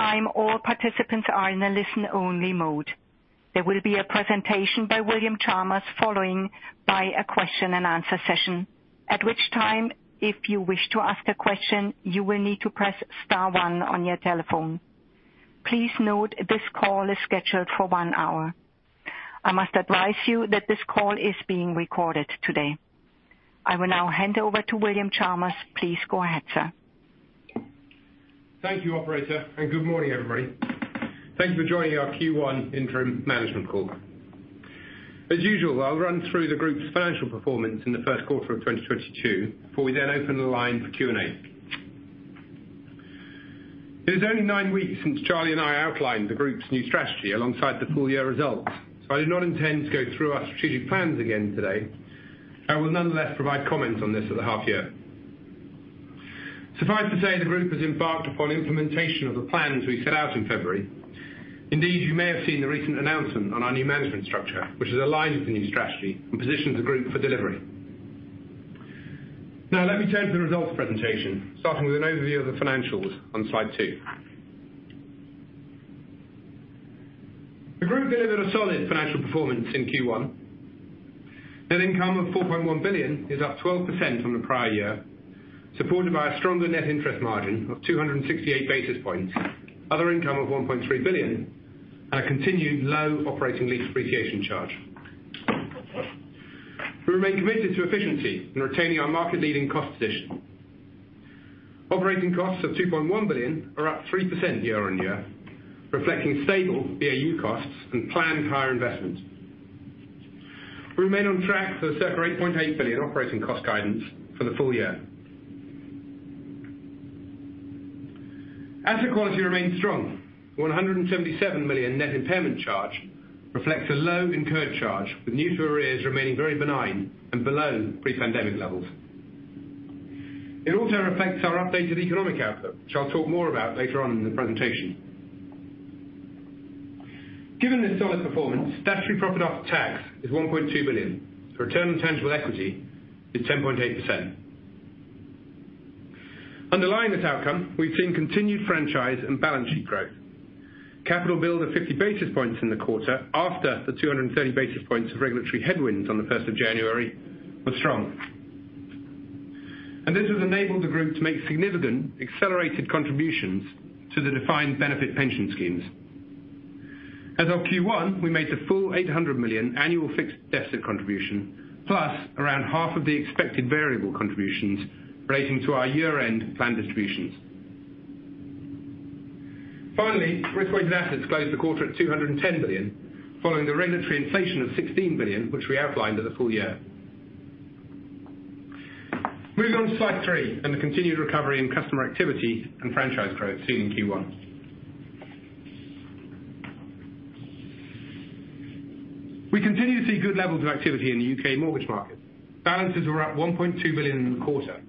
At this time, all participants are in a listen only mode. There will be a presentation by William Chalmers followed by a question and answer session. At which time, if you wish to ask a question, you will need to press star one on your telephone. Please note this call is scheduled for one hour. I must advise you that this call is being recorded today. I will now hand over to William Chalmers. Please go ahead, sir. Thank you, Operator, and good morning, everybody. Thanks for joining our Q1 interim management call. As usual, I'll run through the group's financial performance in the first quarter of 2022, before we then open the line for Q&A. It is only nine weeks since Charlie and I outlined the group's new strategy alongside the full-year results. I do not intend to go through our strategic plans again today. I will nonetheless provide comments on this at the half year. Suffice to say, the group has embarked upon implementation of the plans we set out in February. Indeed, you may have seen the recent announcement on our new management structure, which has aligned with the new strategy and positions the group for delivery. Now let me turn to the results presentation, starting with an overview of the financials on Slide 2. The group delivered a solid financial performance in Q1. Net income of 4.1 billion is up 12% from the prior year, supported by a stronger net interest margin of 268 basis points, other income of 1.3 billion, and a continued low operating lease depreciation charge. We remain committed to efficiency in retaining our market leading cost position. Operating costs of 2.1 billion are up 3% year-on-year, reflecting stable BAU costs and planned higher investment. We remain on track for the circa 8.8 billion operating cost guidance for the full-year. Asset quality remains strong. 177 million net impairment charge reflects a low incurred charge, with new arrears remaining very benign and below pre-pandemic levels. It also reflects our updated economic outlook, which I'll talk more about later on in the presentation. Given this solid performance, statutory profit after tax is 1.2 billion. Return on tangible equity is 10.8%. Underlying this outcome, we've seen continued franchise and balance sheet growth. Capital build of 50 basis points in the quarter after the 230 basis points of regulatory headwinds on January was strong. This has enabled the group to make significant accelerated contributions to the defined benefit pension schemes. As of Q1, we made the full 800 million annual fixed deficit contribution, plus around half of the expected variable contributions relating to our year-end plan distributions. Finally, risk-weighted assets closed the quarter at 210 billion, following the regulatory inflation of 16 billion, which we outlined at the full-year. Moving on to Slide 3 and the continued recovery in customer activity and franchise growth seen in Q1. We continue to see good levels of activity in the UK mortgage market. Balances were up 1.2 billion in the quarter,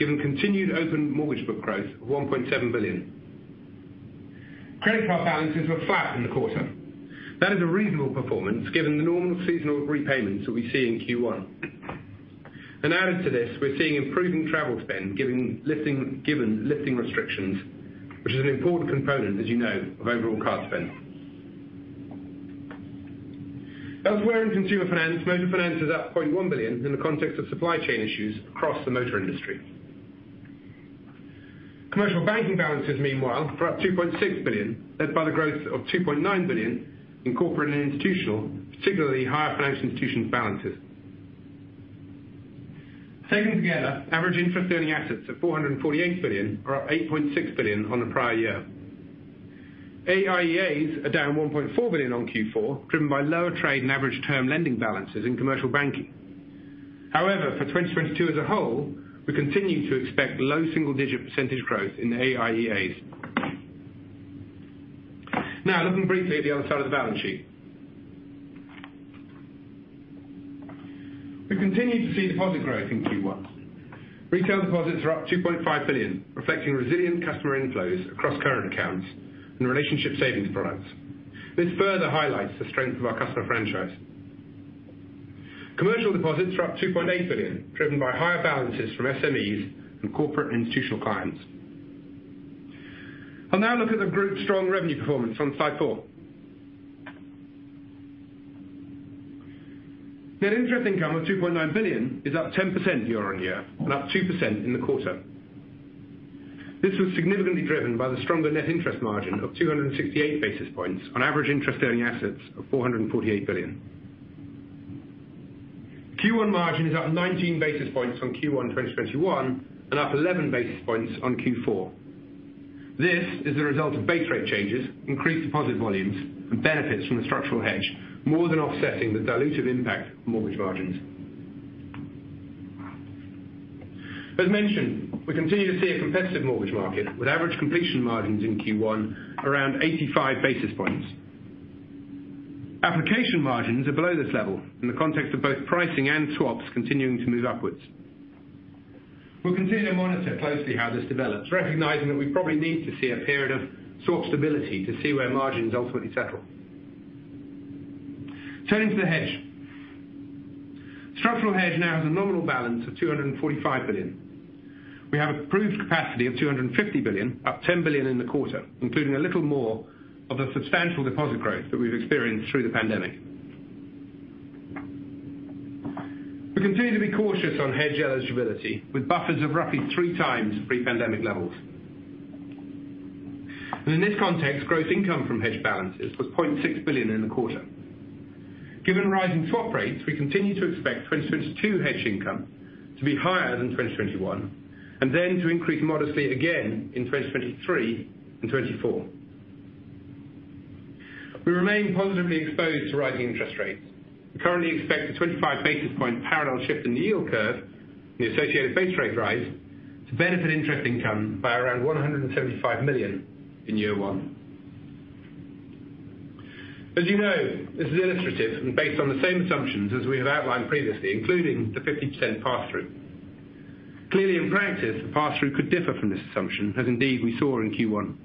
given continued open mortgage book growth of 1.7 billion. Credit card balances were flat in the quarter. That is a reasonable performance given the normal seasonal repayments that we see in Q1. Added to this, we're seeing improving travel spend given lifting restrictions, which is an important component, as you know, of overall card spend. Elsewhere in consumer finance, motor finance is up 0.1 billion in the context of supply chain issues across the motor industry. Commercial banking balances, meanwhile, were up 2.6 billion, led by the growth of 2.9 billion in corporate and institutional, particularly higher financial institutions balances. Taken together, average interest earning assets of 448 billion are up 8.6 billion on the prior year. AIEAs are down 1.4 billion on Q4, driven by lower trade and average term lending balances in commercial banking. However, for 2022 as a whole, we continue to expect low single-digit % growth in AIEAs. Now looking briefly at the other side of the balance sheet. We continued to see deposit growth in Q1. Retail deposits were up 2.5 billion, reflecting resilient customer inflows across current accounts and relationship savings products. This further highlights the strength of our customer franchise. Commercial deposits were up 2.8 billion, driven by higher balances from SMEs and corporate institutional clients. I'll now look at the group's strong revenue performance on Slide 4. Net interest income of 2.9 billion is up 10% year-on-year and up 2% in the quarter. This was significantly driven by the stronger net interest margin of 268 basis points on average interest earning assets of 448 billion. Q1 margin is up 19 basis points on Q1 2021 and up 11 basis points on Q4. This is the result of base rate changes, increased deposit volumes, and benefits from the structural hedge, more than offsetting the dilutive impact on mortgage margins. As mentioned, we continue to see a competitive mortgage market with average completion margins in Q1 around 85 basis points. Application margins are below this level in the context of both pricing and swaps continuing to move upwards. We'll continue to monitor closely how this develops, recognizing that we probably need to see a period of sort of stability to see where margins ultimately settle. Turning to the hedge. Structural hedge now has a nominal balance of 245 billion. We have approved capacity of 250 billion, up 10 billion in the quarter, including a little more of the substantial deposit growth that we've experienced through the pandemic. We continue to be cautious on hedge eligibility with buffers of roughly 3x pre-pandemic levels. In this context, gross income from hedge balances was 0.6 billion in the quarter. Given rising swap rates, we continue to expect 2022 hedge income to be higher than 2021 and then to increase modestly again in 2023 and 2024. We remain positively exposed to rising interest rates. We currently expect a 25 basis points parallel shift in the yield curve, the associated base rate rise, to benefit interest income by around 175 million in year one. As you know, this is illustrative and based on the same assumptions as we have outlined previously, including the 50% pass-through. Clearly, in practice, the pass-through could differ from this assumption, as indeed we saw in Q1.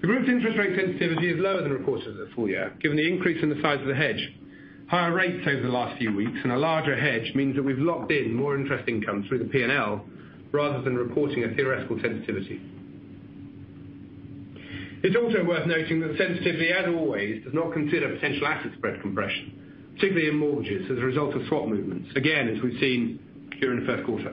The group's interest rate sensitivity is lower than reported at the full-year, given the increase in the size of the hedge. Higher rates over the last few weeks and a larger hedge means that we've locked in more interest income through the P&L rather than reporting a theoretical sensitivity. It's also worth noting that sensitivity, as always, does not consider potential asset spread compression, particularly in mortgages as a result of swap movements. Again, as we've seen here in the first quarter.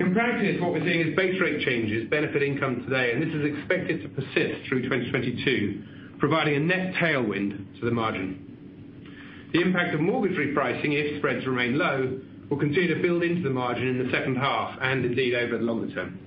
In practice, what we're seeing is base rate changes benefit income today, and this is expected to persist through 2022, providing a net tailwind to the margin. The impact of mortgage repricing, if spreads remain low, will continue to build into the margin in the second half and indeed over the longer term.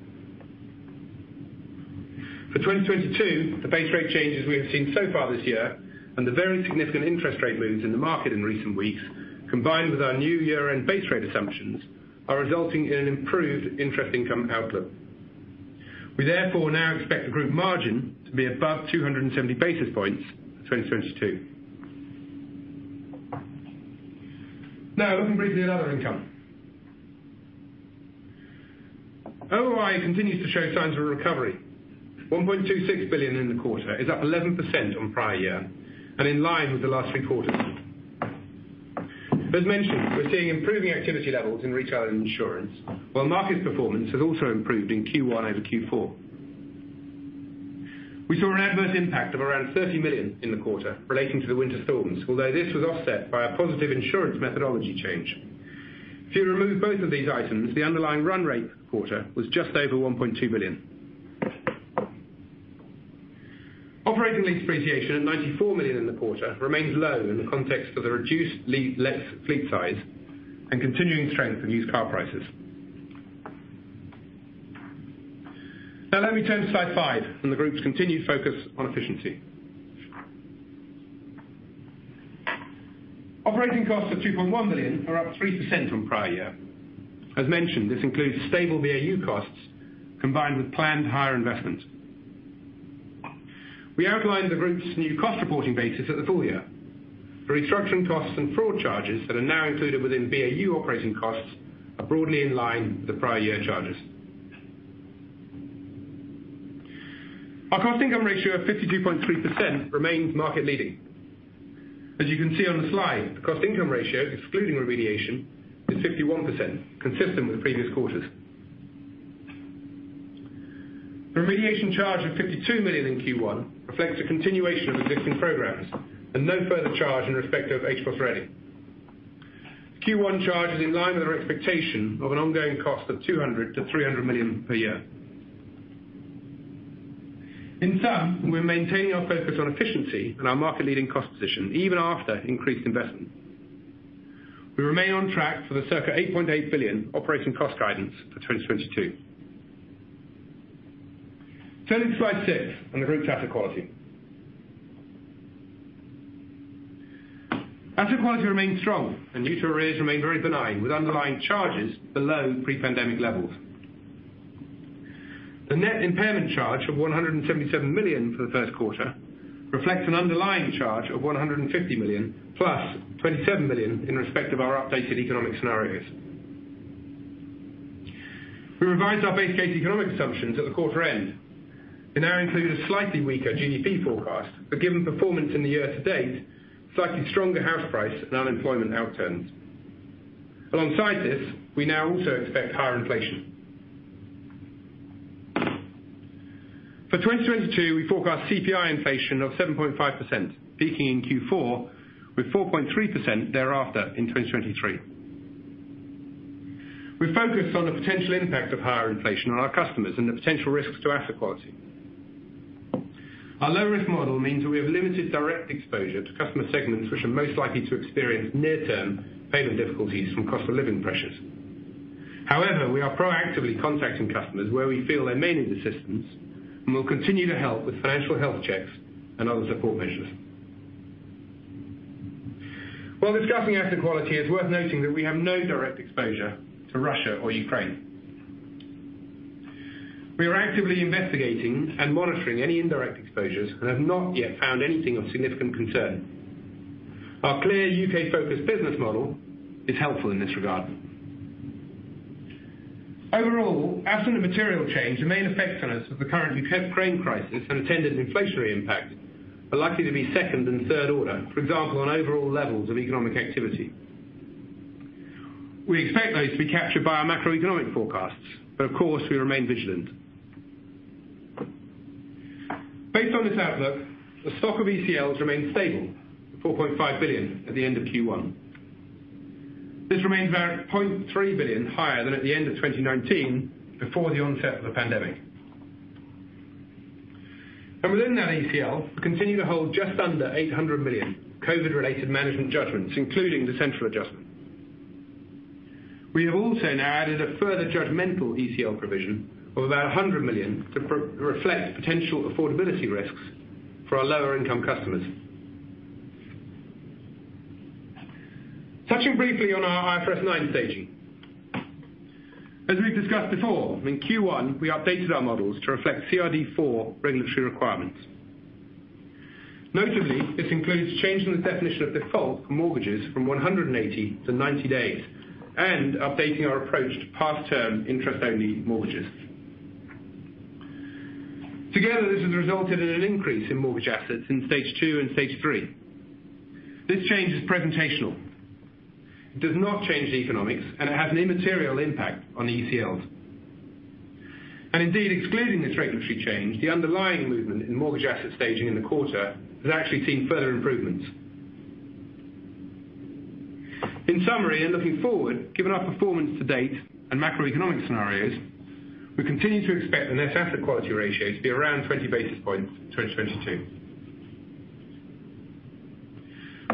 For 2022, the base rate changes we have seen so far this year and the very significant interest rate moves in the market in recent weeks, combined with our new year-end base rate assumptions, are resulting in an improved interest income outlook. We therefore now expect the group margin to be above 270 basis points in 2022. Now looking briefly at other income. OOI continues to show signs of recovery. 1.26 billion in the quarter is up 11% on prior year and in line with the last three quarters. As mentioned, we're seeing improving activity levels in retail and insurance, while market performance has also improved in Q1 over Q4. We saw an adverse impact of around 30 million in the quarter relating to the winter storms, although this was offset by a positive insurance methodology change. If you remove both of these items, the underlying run rate quarter was just over 1.2 billion. Operating lease appreciation at 94 million in the quarter remains low in the context of the reduced lease fleet size and continuing strength in used car prices. Now let me turn to Slide 5 and the group's continued focus on efficiency. Operating costs of 2.1 billion are up 3% from prior year. As mentioned, this includes stable BAU costs combined with planned higher investment. We outlined the group's new cost reporting basis at the full-year. The restructuring costs and fraud charges that are now included within BAU operating costs are broadly in line with the prior year charges. Our cost income ratio of 52.3% remains market-leading. As you can see on the slide, the cost income ratio, excluding remediation, is 51%, consistent with previous quarters. The remediation charge of 52 million in Q1 reflects a continuation of existing programs and no further charge in respect of HBOS Reading. Q1 charge is in line with our expectation of an ongoing cost of 200 million-300 million per year. In sum, we're maintaining our focus on efficiency and our market-leading cost position even after increased investment. We remain on track for the circa 8.8 billion operating cost guidance for 2022. Turning to Slide 6 on the group's asset quality. Asset quality remains strong and mortgage arrears remain very benign with underlying charges below pre-pandemic levels. The net impairment charge of 177 million for the first quarter reflects an underlying charge of 150 million plus 27 million in respect of our updated economic scenarios. We revised our base case economic assumptions at the quarter end. We now include a slightly weaker GDP forecast, but given performance in the year to date, slightly stronger house price and unemployment outturns. Alongside this, we now also expect higher inflation. For 2022, we forecast CPI inflation of 7.5%, peaking in Q4 with 4.3% thereafter in 2023. We focused on the potential impact of higher inflation on our customers and the potential risks to asset quality. Our low risk model means we have limited direct exposure to customer segments which are most likely to experience near term payment difficulties from cost of living pressures. However, we are proactively contacting customers where we feel they may need assistance, and we'll continue to help with financial health checks and other support measures. While discussing asset quality, it's worth noting that we have no direct exposure to Russia or Ukraine. We are actively investigating and monitoring any indirect exposures and have not yet found anything of significant concern. Our clear UK focused business model is helpful in this regard. Overall, absent a material change, the main effects on us of the current Ukraine crisis and attendant inflationary impact are likely to be second and third order, for example, on overall levels of economic activity. We expect those to be captured by our macroeconomic forecasts, but of course, we remain vigilant. Based on this outlook, the stock of ECLs remains stable at 4.5 billion at the end of Q1. This remains about 0.3 billion higher than at the end of 2019 before the onset of the pandemic. Within that ECL, we continue to hold just under 800 million COVID related management judgments, including the central adjustment. We have also now added a further judgmental ECL provision of about 100 million to reflect potential affordability risks for our lower income customers. Touching briefly on our IFRS 9 staging. As we've discussed before, in Q1, we updated our models to reflect CRD4 regulatory requirements. Notably, this includes changing the definition of default for mortgages from 180 to 90 days and updating our approach to past term interest-only mortgages. Together, this has resulted in an increase in mortgage assets in stage 2 and stage 3. This change is presentational. It does not change the economics, and it has an immaterial impact on ECLs. Indeed, excluding this regulatory change, the underlying movement in mortgage asset staging in the quarter has actually seen further improvements. In summary, and looking forward, given our performance to date and macroeconomic scenarios, we continue to expect the net asset quality ratio to be around 20 basis points in 2022.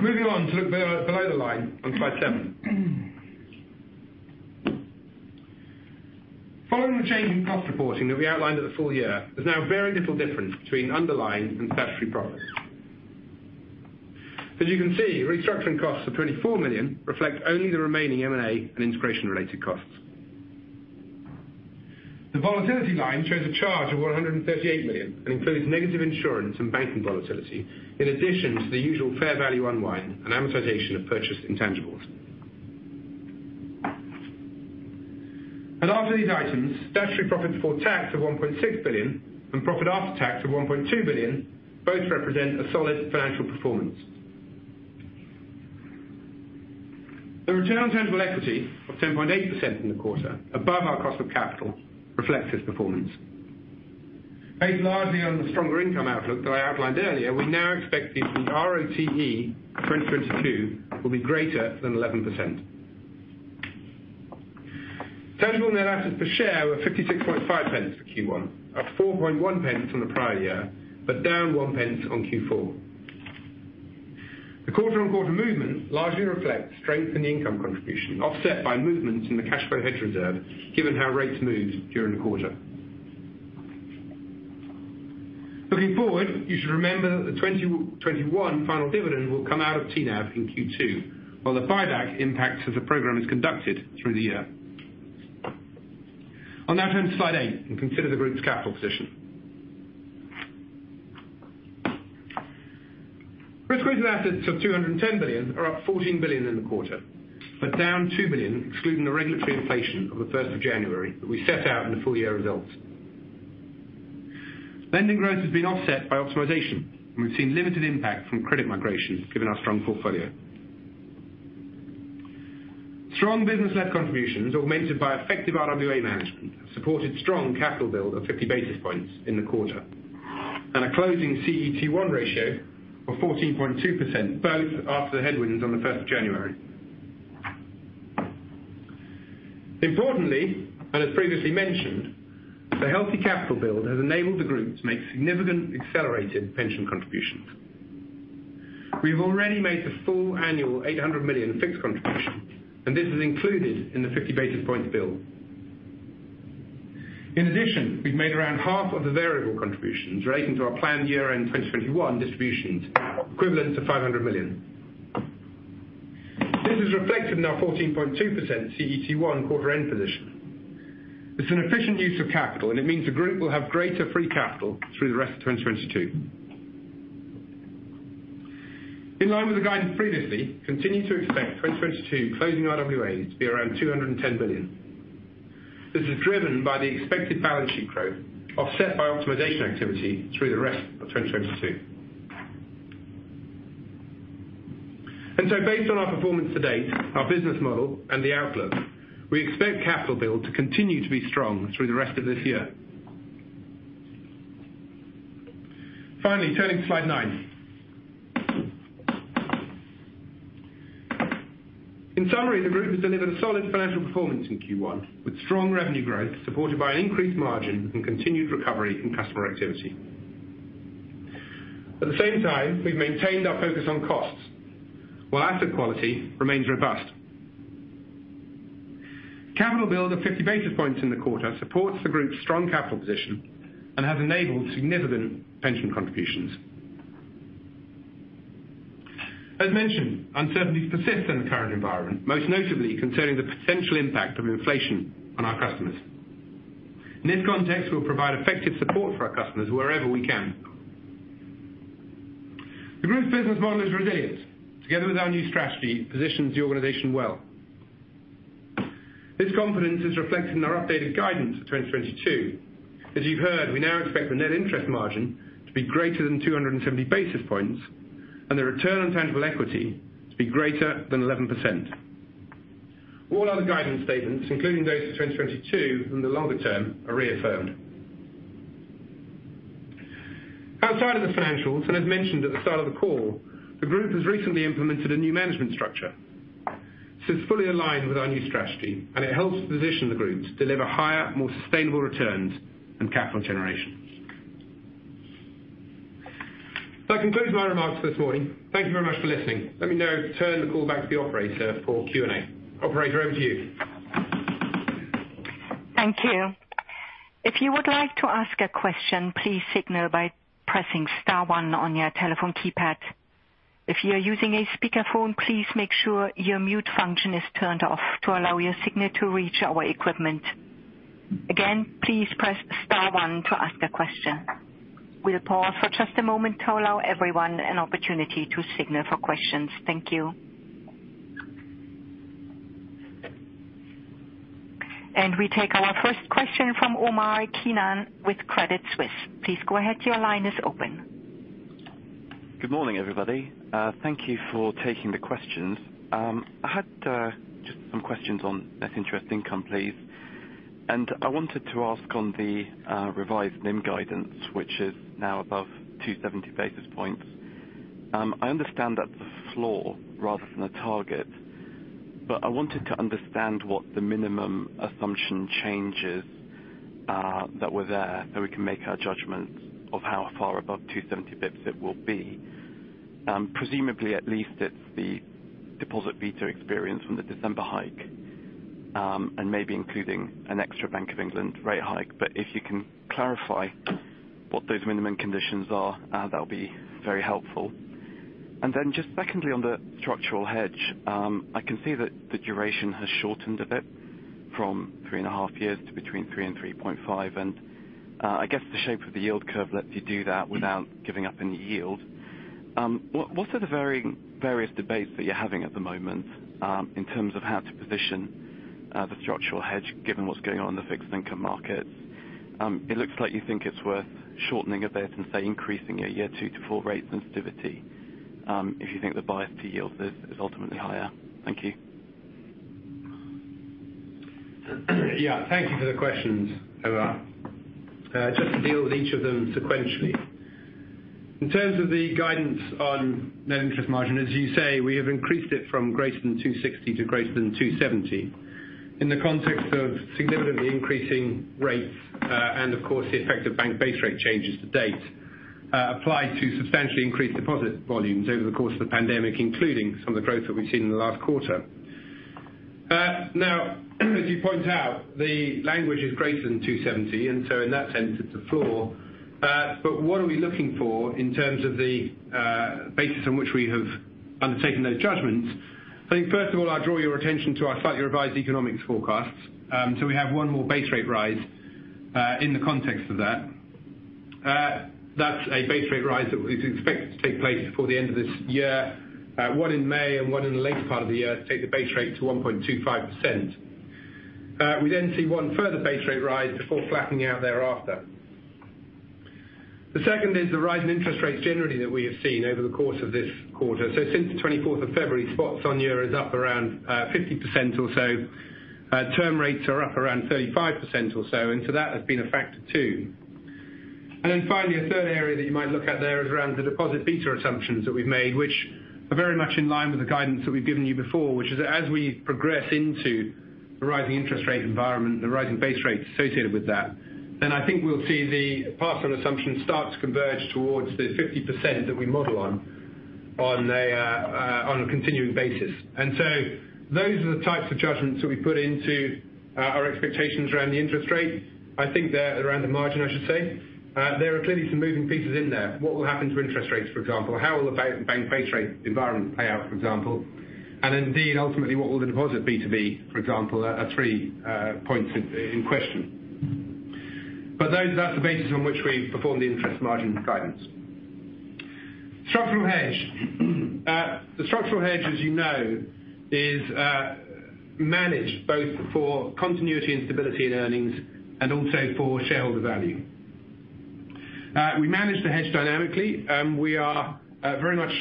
Moving on to look below the line on Slide 7. Following the change in cost reporting that we outlined at the full-year, there's now very little difference between underlying and statutory profit. As you can see, restructuring costs of 24 million reflect only the remaining M&A and integration related costs. The volatility line shows a charge of 138 million and includes negative insurance and banking volatility, in addition to the usual fair value unwind and amortization of purchased intangibles. After these items, statutory profit before tax of 1.6 billion and profit after tax of 1.2 billion both represent a solid financial performance. The return on tangible equity of 10.8% in the quarter above our cost of capital reflects this performance. Based largely on the stronger income outlook that I outlined earlier, we now expect the ROTE for 2022 will be greater than 11%. Tangible net assets per share were 0.565 for Q1, up 0.041 from the prior year, but down 0.01 on Q4. The quarter-on-quarter movement largely reflects strength in the income contribution, offset by movements in the cash flow hedge reserve, given how rates moved during the quarter. Looking forward, you should remember that the 2021 final dividend will come out of TNAV in Q2, while the buyback impacts as the program is conducted through the year. I'll now turn to slide eight and consider the group's capital position. Risk-weighted assets of 210 billion are up 14 billion in the quarter, but down 2 billion excluding the regulatory inflation of the first of January that we set out in the full-year results. Lending growth has been offset by optimization, and we've seen limited impact from credit migration given our strong portfolio. Strong business-led contributions augmented by effective RWA management supported strong capital build of 50 basis points in the quarter. A closing CET1 ratio of 14.2%, both after the headwinds on the first of January. Importantly, and as previously mentioned, the healthy capital build has enabled the group to make significant accelerated pension contributions. We've already made the full annual 800 million fixed contribution, and this is included in the 50 basis points build. In addition, we've made around half of the variable contributions relating to our planned year-end 2021 distributions equivalent to 500 million. This is reflected in our 14.2% CET1 quarter end position. It's an efficient use of capital, and it means the group will have greater free capital through the rest of 2022. In line with the guidance previously, continue to expect 2022 closing RWAs to be around 210 billion. This is driven by the expected balance sheet growth offset by optimization activity through the rest of 2022. Based on our performance to date, our business model and the outlook, we expect capital build to continue to be strong through the rest of this year. Finally, turning to Slide 9. In summary, the group has delivered a solid financial performance in Q1, with strong revenue growth supported by an increased margin and continued recovery in customer activity. At the same time, we've maintained our focus on costs, while asset quality remains robust. Capital build of 50 basis points in the quarter supports the group's strong capital position and has enabled significant pension contributions. As mentioned, uncertainties persist in the current environment, most notably concerning the potential impact of inflation on our customers. In this context, we'll provide effective support for our customers wherever we can. The group's business model is resilient. Together with our new strategy positions the organization well. This confidence is reflected in our updated guidance for 2022. As you've heard, we now expect the net interest margin to be greater than 270 basis points and the return on tangible equity to be greater than 11%. All other guidance statements, including those for 2022 and the longer term, are reaffirmed. Outside of the financials, and as mentioned at the start of the call, the group has recently implemented a new management structure, so it's fully aligned with our new strategy and it helps position the group to deliver higher, more sustainable returns and capital generation. That concludes my remarks this morning. Thank you very much for listening. Let me now turn the call back to the operator for Q&A. Operator, over to you. Thank you. If you would like to ask a question, please signal by pressing star one on your telephone keypad. If you are using a speakerphone, please make sure your mute function is turned off to allow your signal to reach our equipment. Again, please press star one to ask a question. We'll pause for just a moment to allow everyone an opportunity to signal for questions. Thank you. We take our first question from Omar Keenan with Credit Suisse. Please go ahead. Your line is open. Good morning, everybody. Thank you for taking the questions. I had just some questions on net interest income, please. I wanted to ask on the revised NIM guidance, which is now above 270 basis points. I understand that's a floor rather than a target, but I wanted to understand what the minimum assumption changes that were there so we can make our judgments of how far above 270 basis points it will be. Presumably, at least it's the deposit beta experience from the December hike, and maybe including an extra Bank of England rate hike. If you can clarify what those minimum conditions are, that'll be very helpful. Just secondly, on the structural hedge, I can see that the duration has shortened a bit from three point five years to between three and three point five. I guess the shape of the yield curve lets you do that without giving up any yield. What are the various debates that you're having at the moment, in terms of how to position the structural hedge given what's going on in the fixed income markets? It looks like you think it's worth shortening a bit and say, increasing your year two to four rate sensitivity, if you think the bias to yields is ultimately higher. Thank you. Yeah. Thank you for the questions, Omar. Just to deal with each of them sequentially. In terms of the guidance on net interest margin, as you say, we have increased it from greater than 260 to greater than 270 in the context of significantly increasing rates, and of course the effect of bank base rate changes to date, applied to substantially increased deposit volumes over the course of the pandemic, including some of the growth that we've seen in the last quarter. Now, as you point out, the language is greater than 270, and so in that sense it's a floor. But what are we looking for in terms of the basis on which we have undertaken those judgments? I think first of all, I'd draw your attention to our slightly revised economic forecasts. We have one more base rate rise in the context of that. That's a base rate rise that is expected to take place before the end of this year. One in May and one in the later part of the year take the base rate to 1.25%. We see one further base rate rise before flattening out thereafter. The second is the rise in interest rates generally that we have seen over the course of this quarter. Since the 24th of February, spot one-year is up around 50% or so. Term rates are up around 35% or so, and so that has been a factor too. Finally a third area that you might look at there is around the deposit beta assumptions that we've made, which are very much in line with the guidance that we've given you before, which is as we progress into the rising interest rate environment, the rising base rates associated with that, then I think we'll see the pass on assumptions start to converge towards the 50% that we model on a continuing basis. Those are the types of judgments that we put into our expectations around the interest rate. I think they're around the margin, I should say. There are clearly some moving pieces in there. What will happen to interest rates, for example? How will the bank base rate environment play out, for example? Indeed, ultimately, what will the deposit beta be, for example, our three points in question. Those are the basis on which we perform the interest margin guidance. The structural hedge, as you know, is managed both for continuity and stability in earnings and also for shareholder value. We manage the hedge dynamically. We are very much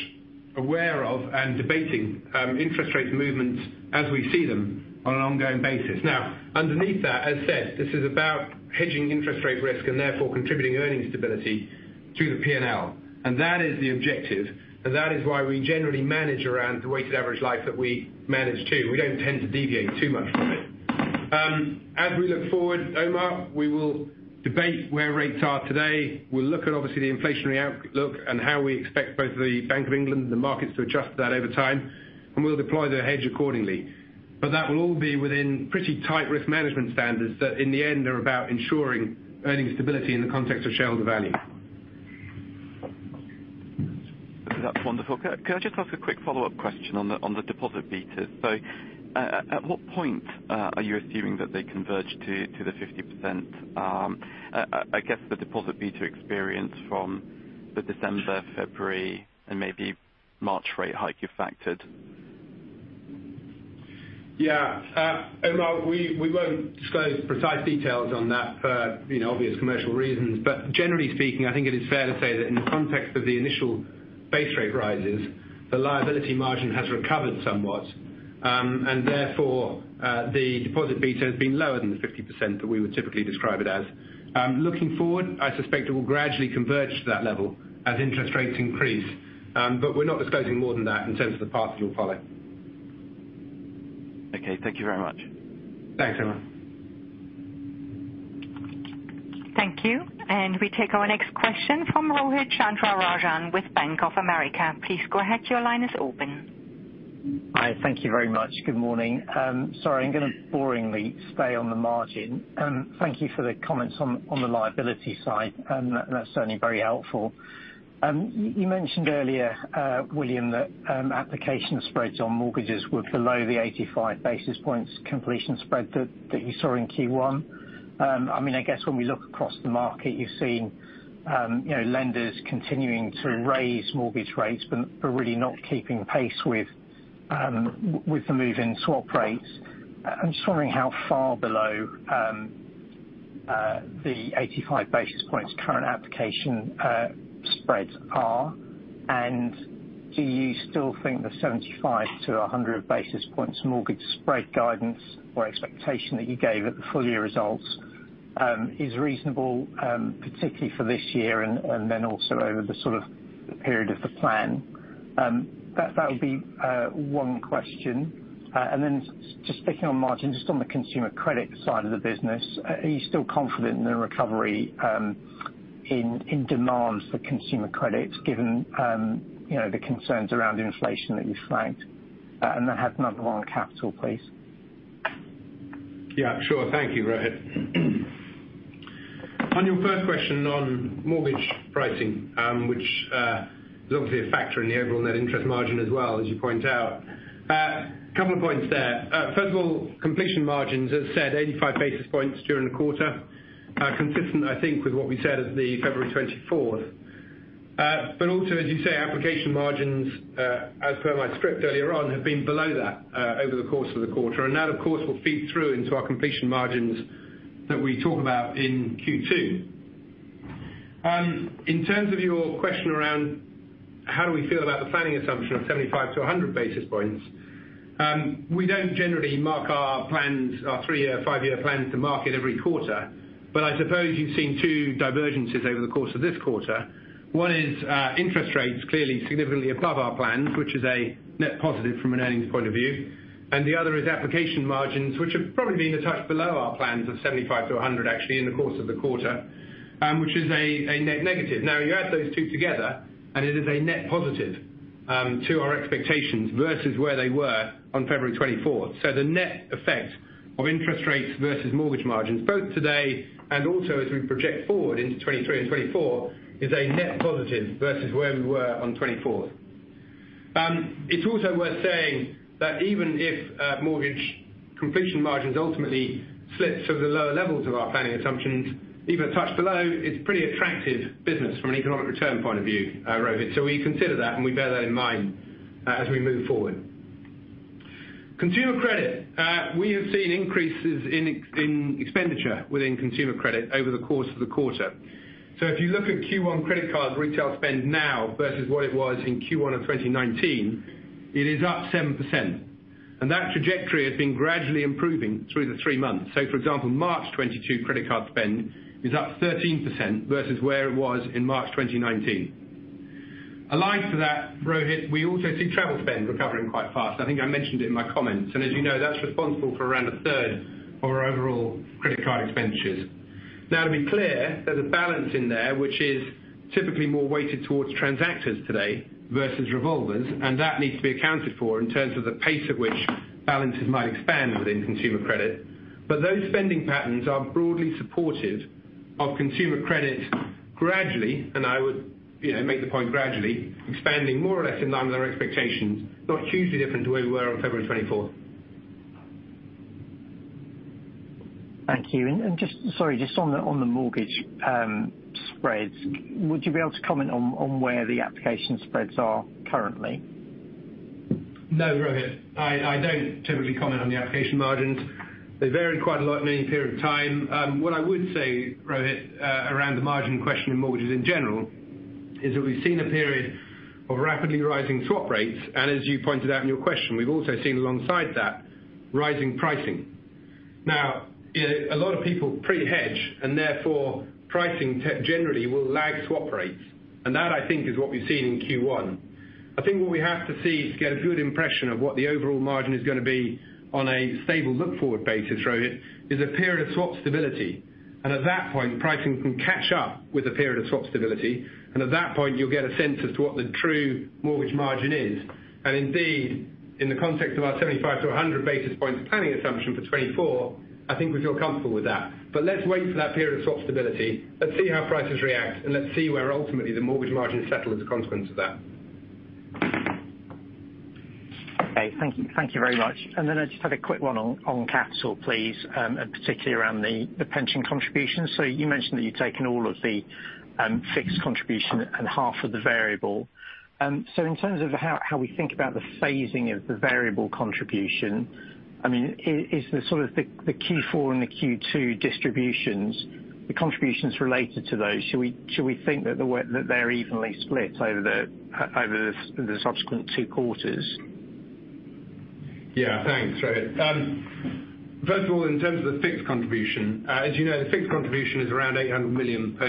aware of and debating interest rate movements as we see them on an ongoing basis. Now, underneath that, as said, this is about hedging interest rate risk and therefore contributing earnings stability through the P&L. That is the objective, and that is why we generally manage around the weighted average life that we manage to. We don't tend to deviate too much from it. As we look forward, Omar, we will debate where rates are today. We'll look at obviously the inflationary outlook and how we expect both the Bank of England and the markets to adjust to that over time, and we'll deploy the hedge accordingly. That will all be within pretty tight risk management standards that in the end are about ensuring earnings stability in the context of shareholder value. That's wonderful. Can I just ask a quick follow-up question on the deposit betas? At what point are you assuming that they converge to the 50%? I guess the deposit beta experience from the December, February, and maybe March rate hike you factored. Yeah. Omar, we won't disclose precise details on that for, you know, obvious commercial reasons. Generally speaking, I think it is fair to say that in the context of the initial base rate rises, the liability margin has recovered somewhat. Therefore, the deposit beta has been lower than the 50% that we would typically describe it as. Looking forward, I suspect it will gradually converge to that level as interest rates increase. We're not disclosing more than that in terms of the path it will follow. Okay, thank you very much. Thanks, Omar. Thank you. We take our next question from Rohith Chandra-Rajan with Bank of America. Please go ahead. Your line is open. Hi, thank you very much. Good morning. Sorry, I'm gonna boringly stay on the margin. Thank you for the comments on the liability side, that's certainly very helpful. You mentioned earlier, William, that application spreads on mortgages were below the 85 basis points completion spread that you saw in Q1. I mean, I guess when we look across the market, you're seeing, you know, lenders continuing to raise mortgage rates, but really not keeping pace with the move in swap rates. I'm just wondering how far below the 85 basis points current application spreads are. Do you still think the 75-100 basis points mortgage spread guidance or expectation that you gave at the full-year results is reasonable, particularly for this year and then also over the sort of period of the plan? That would be one question. Then just sticking on margin, just on the consumer credit side of the business, are you still confident in the recovery in demands for consumer credit given you know the concerns around inflation that you flagged? I have another one on capital, please. Yeah, sure. Thank you, Rohith. On your first question on mortgage pricing, which is obviously a factor in the overall net interest margin as well as you point out. A couple of points there. First of all, completion margins, as I said, 85 basis points during the quarter, are consistent, I think, with what we said at the February 24th. But also, as you say, application margins, as per my script earlier on, have been below that, over the course of the quarter. That, of course, will feed through into our completion margins that we talk about in Q2. In terms of your question around how do we feel about the planning assumption of 75-100 basis points, we don't generally mark our plans, our three-year, five-year plans to market every quarter. I suppose you've seen two divergences over the course of this quarter. One is interest rates clearly significantly above our plans, which is a net positive from an earnings point of view. The other is application margins, which have probably been a touch below our plans of 75-100 actually in the course of the quarter, which is a net negative. Now, you add those two together, and it is a net positive to our expectations versus where they were on February 24th. The net effect of interest rates versus mortgage margins, both today and also as we project forward into 2023 and 2024, is a net positive versus where we were on 24th. It's also worth saying that even if mortgage completion margins ultimately slip to the lower levels of our planning assumptions, even a touch below, it's pretty attractive business from an economic return point of view, Rohit. We consider that and we bear that in mind as we move forward. Consumer credit. We have seen increases in expenditure within consumer credit over the course of the quarter. If you look at Q1 credit card retail spend now versus what it was in Q1 of 2019, it is up 7%. That trajectory has been gradually improving through the three months. For example, March 2022 credit card spend is up 13% versus where it was in March 2019. Aligned to that, Rohit, we also see travel spend recovering quite fast. I think I mentioned it in my comments. As you know, that's responsible for around a third of our overall credit card expenditures. Now to be clear, there's a balance in there which is typically more weighted towards transactors today versus revolvers, and that needs to be accounted for in terms of the pace at which balances might expand within consumer credit. Those spending patterns are broadly supportive of consumer credit gradually, and I would, you know, make the point gradually, expanding more or less in line with our expectations, not hugely different to where we were on February 24th. Thank you. Just on the mortgage spreads, would you be able to comment on where the application spreads are currently? No, Rohit. I don't typically comment on the application margins. They vary quite a lot in any period of time. What I would say, Rohit, around the margin question in mortgages in general is that we've seen a period of rapidly rising swap rates, and as you pointed out in your question, we've also seen alongside that rising pricing. Now, you know, a lot of people pre-hedge, and therefore pricing generally will lag swap rates. That I think is what we've seen in Q1. I think what we have to see to get a good impression of what the overall margin is gonna be on a stable look-forward basis, Rohit, is a period of swap stability. At that point, pricing can catch up with a period of swap stability. At that point, you'll get a sense as to what the true mortgage margin is. Indeed, in the context of our 75-100 basis points planning assumption for 2024, I think we feel comfortable with that. Let's wait for that period of swap stability. Let's see how prices react, and let's see where ultimately the mortgage margins settle as a consequence of that. Okay. Thank you, thank you very much. Then I just had a quick one on capital please, and particularly around the pension contributions. You mentioned that you'd taken all of the fixed contribution and half of the variable. In terms of how we think about the phasing of the variable contribution, I mean, is the sort of the Q4 and the Q2 distributions, the contributions related to those, should we think that the way that they're evenly split over the subsequent two quarters? Yeah. Thanks, Rohit. First of all, in terms of the fixed contribution, as you know, the fixed contribution is around 800 million per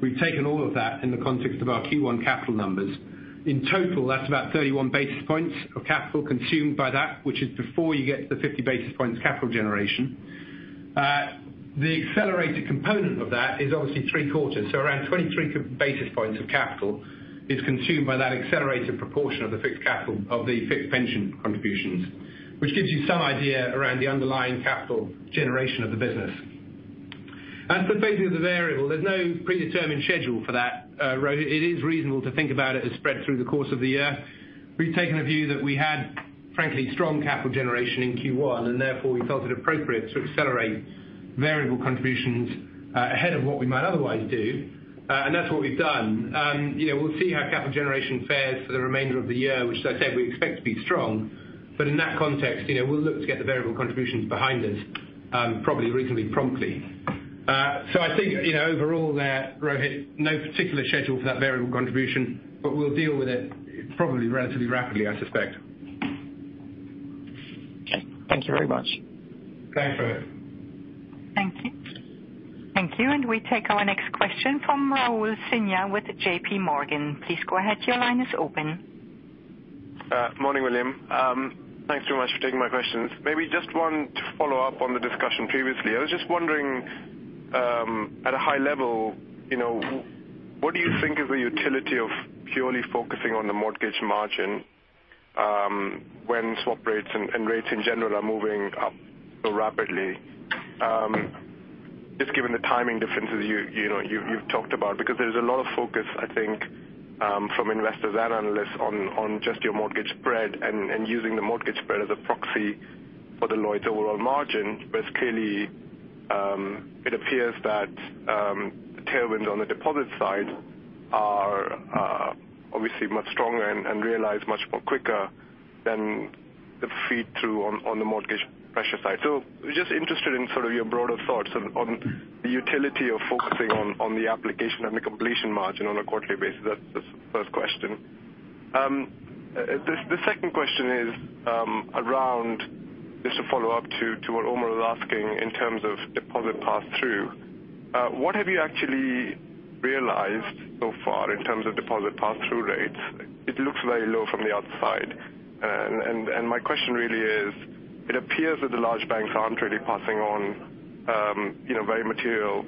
year. We've taken all of that in the context of our Q1 capital numbers. In total, that's about 31 basis points of capital consumed by that, which is before you get to the 50 basis points capital generation. The accelerated component of that is obviously three quarters. Around 23 basis points of capital is consumed by that accelerated proportion of the fixed capital, of the fixed pension contributions, which gives you some idea around the underlying capital generation of the business. For phasing of the variable, there's no predetermined schedule for that, Rohit. It is reasonable to think about it as spread through the course of the year. We've taken a view that we had, frankly, strong capital generation in Q1, and therefore we felt it appropriate to accelerate variable contributions ahead of what we might otherwise do. That's what we've done. You know, we'll see how capital generation fares for the remainder of the year, which as I said, we expect to be strong. In that context, you know, we'll look to get the variable contributions behind us, probably reasonably promptly. I think, you know, overall there, Rohith, no particular schedule for that variable contribution, but we'll deal with it probably relatively rapidly, I suspect. Okay. Thank you very much. Thanks, Rohith. Thank you. Thank you. We take our next question from Raul Sinha with JP Morgan. Please go ahead. Your line is open. Morning, William. Thanks very much for taking my questions. Maybe just want to follow up on the discussion previously. I was just wondering, at a high level, you know, what do you think is the utility of purely focusing on the mortgage margin, when swap rates and rates in general are moving up so rapidly? Just given the timing differences you know, you've talked about because there's a lot of focus I think, from investors and analysts on just your mortgage spread and using the mortgage spread as a proxy for the Lloyds' overall margin. Clearly, it appears that the tailwinds on the deposit side are obviously much stronger and realized much quicker than the feed through on the mortgage pricing side. Just interested in sort of your broader thoughts on the utility of focusing on the application and the completion margin on a quarterly basis. That's the first question. The second question is around just to follow up to what Omar was asking in terms of deposit pass-through. What have you actually realized so far in terms of deposit pass-through rates? It looks very low from the outside. And my question really is it appears that the large banks aren't really passing on, you know, very material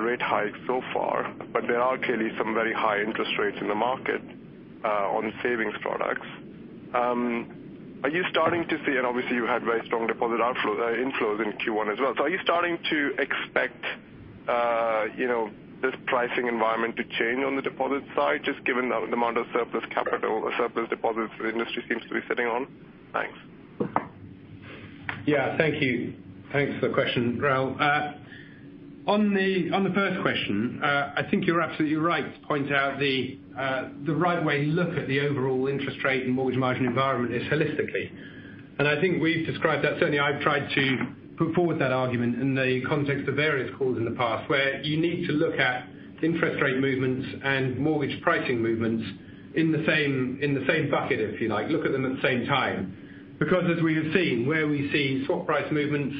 rate hikes so far, but there are clearly some very high interest rates in the market on savings products. Are you starting to see, and obviously you had very strong deposit inflows in Q1 as well. Are you starting to expect, you know, this pricing environment to change on the deposit side, just given the amount of surplus capital or surplus deposits the industry seems to be sitting on? Thanks. Yeah. Thank you. Thanks for the question, Raul. On the first question, I think you're absolutely right to point out the right way to look at the overall interest rate and mortgage margin environment is holistically. I think we've described that. Certainly I've tried to put forward that argument in the context of various calls in the past, where you need to look at interest rate movements and mortgage pricing movements in the same bucket, if you like. Look at them at the same time. Because as we have seen, where we see swap price movements,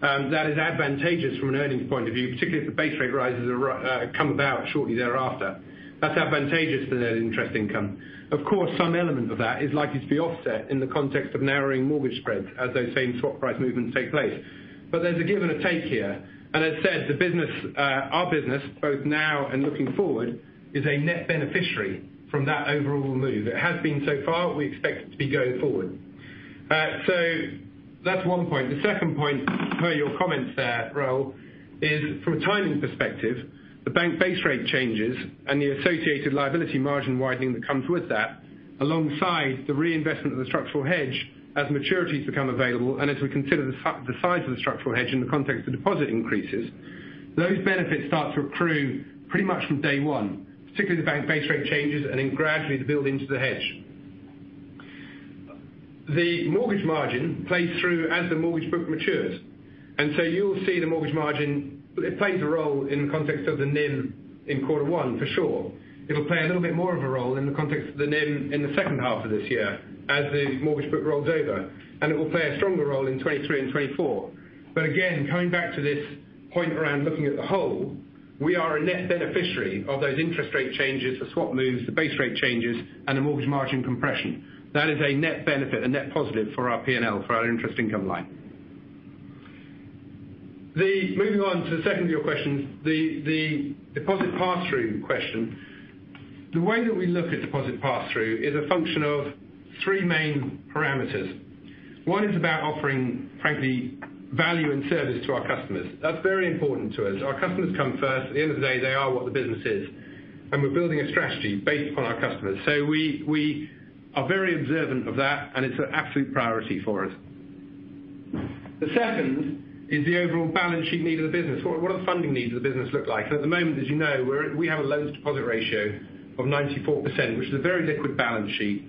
that is advantageous from an earnings point of view, particularly if the base rate rises come about shortly thereafter. That's advantageous to net interest income. Of course, some element of that is likely to be offset in the context of narrowing mortgage spreads as those same swap price movements take place. There's a give and a take here. As I said, the business, our business both now and looking forward, is a net beneficiary from that overall move. It has been so far. We expect it to be going forward. That's one point. The second point per your comments there, Rahul, is from a timing perspective, the bank base rate changes and the associated liability margin widening that comes with that, alongside the reinvestment of the structural hedge as maturities become available, and as we consider the size of the structural hedge in the context of deposit increases. Those benefits start to accrue pretty much from day one, particularly the bank base rate changes and then gradually to build into the hedge. The mortgage margin plays through as the mortgage book matures. You'll see the mortgage margin, it plays a role in the context of the NIM in quarter one for sure. It'll play a little bit more of a role in the context of the NIM in the second half of this year as the mortgage book rolls over, and it will play a stronger role in 2023 and 2024. Again, coming back to this point around looking at the whole, we are a net beneficiary of those interest rate changes, the swap moves, the base rate changes, and the mortgage margin compression. That is a net benefit, a net positive for our P&L, for our interest income line. Moving on to the second of your questions, the deposit pass-through question. The way that we look at deposit pass-through is a function of three main parameters. One is about offering, frankly, value and service to our customers. That's very important to us. Our customers come first. At the end of the day, they are what the business is, and we're building a strategy based upon our customers. We are very observant of that, and it's an absolute priority for us. The second is the overall balance sheet need of the business. What are the funding needs of the business look like? At the moment, as you know, we have a loans to deposit ratio of 94%, which is a very liquid balance sheet.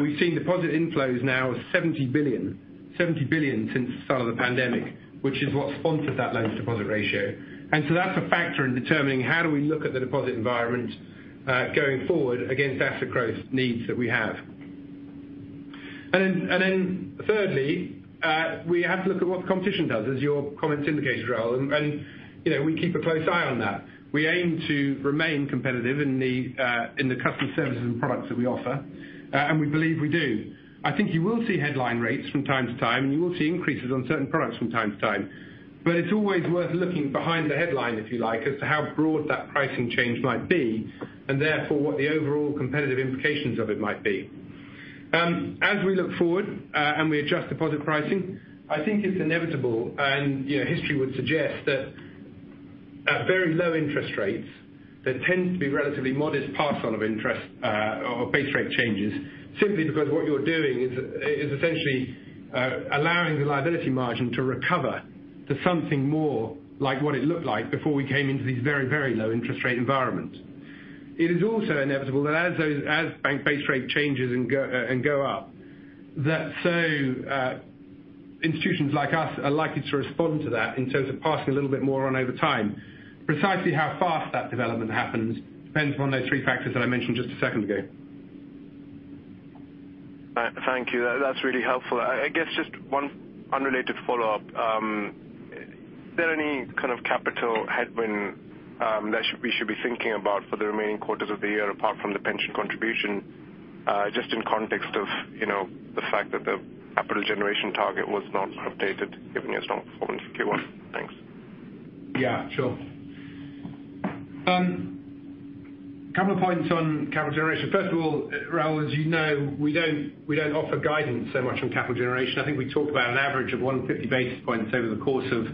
We've seen deposit inflows now of 70 billion. 70 billion since the start of the pandemic, which is what sustains the loan-to-deposit ratio. That's a factor in determining how we look at the deposit environment going forward against asset growth needs that we have. Thirdly, we have to look at what the competition does, as your comments indicated, Rahul. You know, we keep a close eye on that. We aim to remain competitive in the customer services and products that we offer, and we believe we do. I think you will see headline rates from time to time, and you will see increases on certain products from time to time. It's always worth looking behind the headline, if you like, as to how broad that pricing change might be, and therefore what the overall competitive implications of it might be. As we look forward and we adjust deposit pricing, I think it's inevitable, and, you know, history would suggest that at very low interest rates, there tends to be relatively modest pass on of interest or base rate changes simply because what you're doing is essentially allowing the liability margin to recover to something more like what it looked like before we came into these very, very low interest rate environments. It is also inevitable that as those bank base rate changes and go up, that, so institutions like us are likely to respond to that in terms of passing a little bit more on over time. Precisely how fast that development happens depends upon those three factors that I mentioned just a second ago. Thank you. That's really helpful. I guess just one unrelated follow-up. Is there any kind of capital headwind that we should be thinking about for the remaining quarters of the year apart from the pension contribution, just in context of, you know, the fact that the capital generation target was not updated given your strong performance in Q1? Thanks. Yeah, sure. Couple of points on capital generation. First of all, Rahul, as you know, we don't offer guidance so much on capital generation. I think we talk about an average of 150 basis points over the course of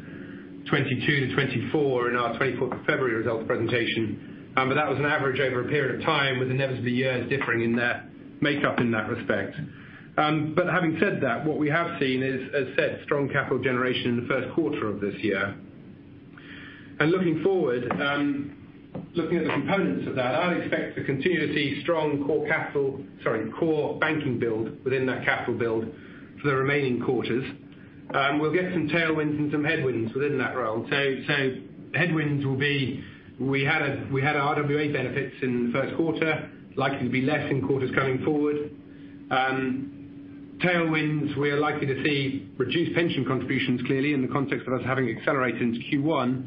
2022-2024 in our February 24th results presentation. That was an average over a period of time with inevitably years differing in their makeup in that respect. Having said that, what we have seen is, as said, strong capital generation in the first quarter of this year. Looking forward, looking at the components of that, I'd expect to continue to see strong core banking build within that capital build for the remaining quarters. We'll get some tailwinds and some headwinds within that, Rahul. Headwinds will be we had RWA benefits in the first quarter, likely to be less in quarters coming forward. Tailwinds, we are likely to see reduced pension contributions clearly in the context of us having accelerated into Q1.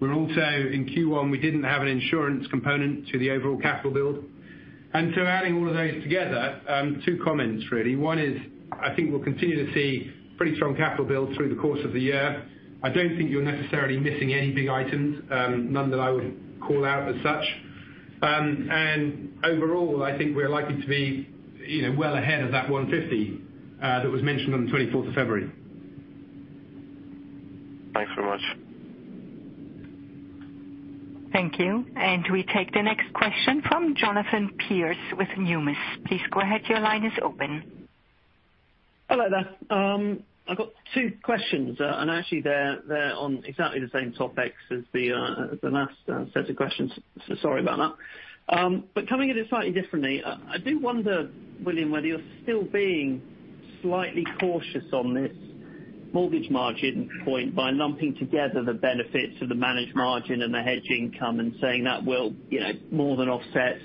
We're also in Q1 we didn't have an insurance component to the overall capital build. Adding all of those together, two comments really. One is I think we'll continue to see pretty strong capital build through the course of the year. I don't think you're necessarily missing any big items, none that I would call out as such. Overall, I think we're likely to be, you know, well ahead of that 150 that was mentioned on the 24th of February. Thanks very much. Thank you. We take the next question from Jonathan Pierce with Numis. Please go ahead, your line is open. Hello there. I've got two questions. Actually they're on exactly the same topics as the last set of questions. Sorry about that. Coming at it slightly differently, I do wonder, William, whether you're still being slightly cautious on this mortgage margin point by lumping together the benefits of the managed margin and the hedge income and saying that will, you know, more than offset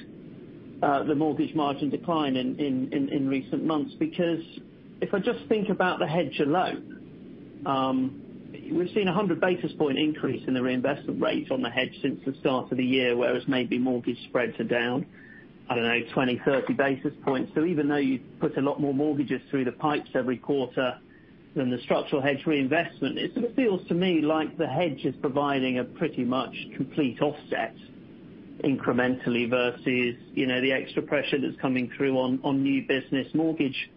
the mortgage margin decline in recent months. Because if I just think about the hedge alone, we've seen 100 basis points increase in the reinvestment rate on the hedge since the start of the year, whereas maybe mortgage spreads are down, I don't know, 20, 30 basis points. Even though you put a lot more mortgages through the pipes every quarter than the structural hedge reinvestment, it sort of feels to me like the hedge is providing a pretty much complete offset incrementally versus, you know, the extra pressure that's coming through on new business mortgage margins.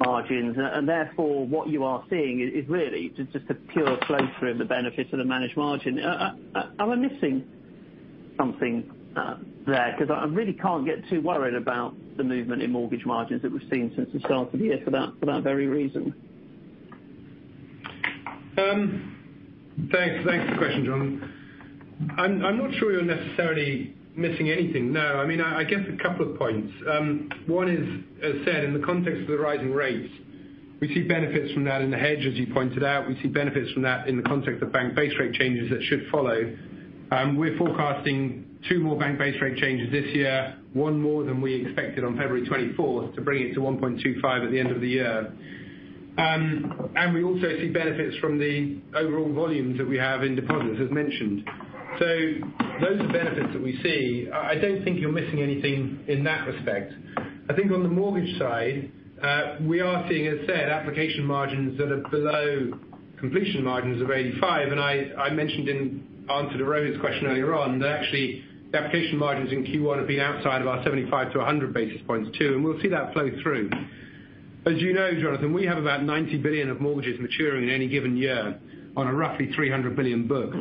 And therefore what you are seeing is really just a pure flow through of the benefits of the managed margin. Am I missing something there? Because I really can't get too worried about the movement in mortgage margins that we've seen since the start of the year for that very reason. Thanks. Thanks for the question, Jonathan. I'm not sure you're necessarily missing anything, no. I mean, I guess a couple of points. One is, as said, in the context of the rising rates, we see benefits from that in the hedge, as you pointed out. We see benefits from that in the context of bank base rate changes that should follow. We're forecasting two more bank base rate changes this year, one more than we expected on February 24th to bring it to 1.25 at the end of the year. We also see benefits from the overall volumes that we have in deposits, as mentioned. Those are benefits that we see. I don't think you're missing anything in that respect. I think on the mortgage side, we are seeing, as I said, application margins that are below completion margins of 85. I mentioned in answer to Rahul's question earlier on that actually the application margins in Q1 have been outside of our 75-100 basis points too, and we'll see that flow through. As you know, Jonathan, we have about 90 billion of mortgages maturing in any given year on a roughly 300 billion book.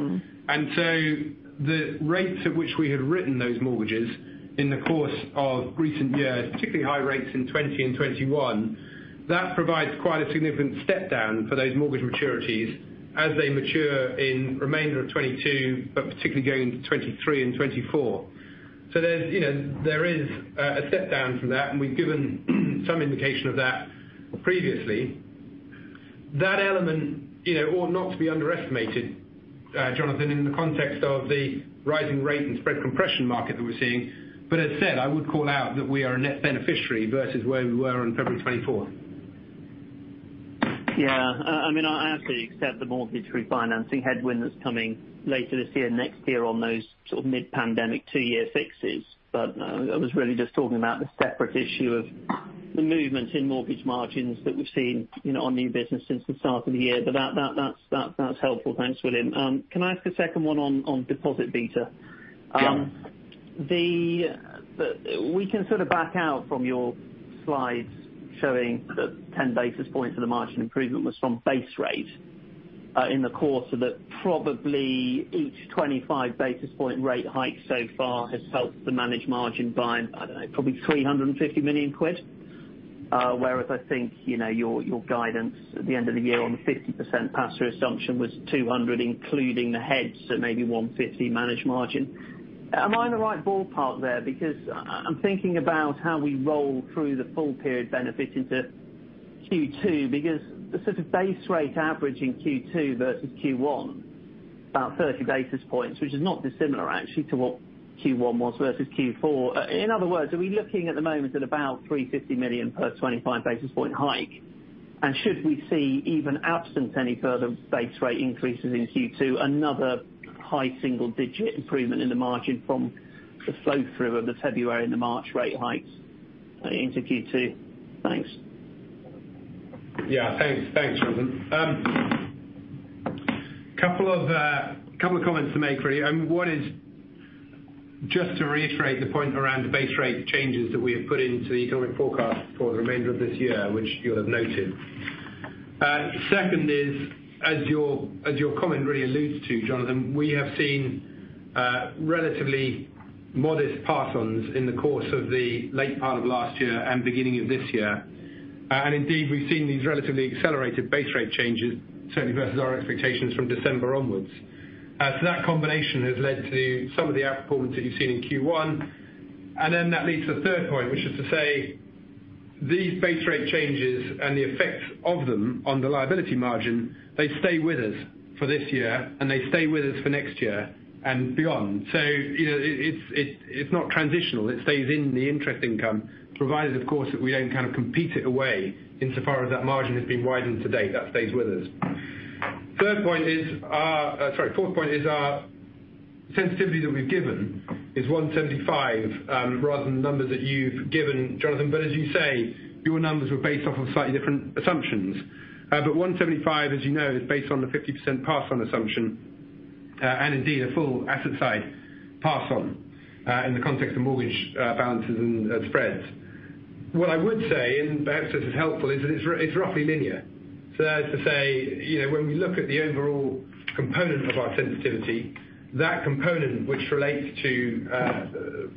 Mm-hmm. The rates at which we had written those mortgages in the course of recent years, particularly high rates in 2020 and 2021, that provides quite a significant step down for those mortgage maturities as they mature in remainder of 2022, but particularly going into 2023 and 2024. There's, you know, there is a step down from that, and we've given some indication of that previously. That element, you know, ought not to be underestimated, Jonathan, in the context of the rising rate and spread compression market that we're seeing. As said, I would call out that we are a net beneficiary versus where we were on February 24. Yeah. I mean, I absolutely accept the mortgage refinancing headwind that's coming later this year, next year on those sort of mid-pandemic two-year fixes. I was really just talking about the separate issue of the movement in mortgage margins that we've seen, you know, on new business since the start of the year. That's helpful. Thanks, William. Can I ask a second one on deposit beta? Yeah. We can sort of back out from your slides showing that 10 basis points of the margin improvement was from base rate, in the course of, probably each 25 basis point rate hike so far has helped the managed margin by, I don't know, probably 350 million quid. Whereas I think, you know, your guidance at the end of the year on the 50% pass-through assumption was 200, including the hedges, so maybe 150 managed margin. Am I in the right ballpark there? Because I'm thinking about how we roll through the full period benefit into Q2, because the sort of base rate average in Q2 versus Q1, about 30 basis points, which is not dissimilar actually to what Q1 was versus Q4. In other words, are we looking at the moment at about 350 million per 25 basis point hike? Should we see even absent any further base rate increases in Q2, another high single-digit improvement in the margin from the flow through of the February and the March rate hikes into Q2? Thanks. Yeah. Thanks, Jonathan. Couple of comments to make for you. One is just to reiterate the point around the base rate changes that we have put into the economic forecast for the remainder of this year, which you'll have noted. Second is, as your comment really alludes to, Jonathan, we have seen relatively modest pass-ons in the course of the late part of last year and beginning of this year. Indeed, we've seen these relatively accelerated base rate changes, certainly versus our expectations from December onwards. That combination has led to some of the outperformance that you've seen in Q1. That leads to the third point, which is to say these base rate changes and the effects of them on the liability margin, they stay with us for this year and they stay with us for next year and beyond. You know, it's not transitional. It stays in the interest income, provided, of course, that we don't kind of compete it away insofar as that margin has been widened to date. That stays with us. Fourth point is our sensitivity that we've given is 175, rather than the numbers that you've given, Jonathan. As you say, your numbers were based off of slightly different assumptions. 175, as you know, is based on the 50% pass-on assumption, and indeed a full asset side pass-on, in the context of mortgage balances and spreads. What I would say, and perhaps this is helpful, is that it's roughly linear. That is to say, you know, when we look at the overall component of our sensitivity, that component which relates to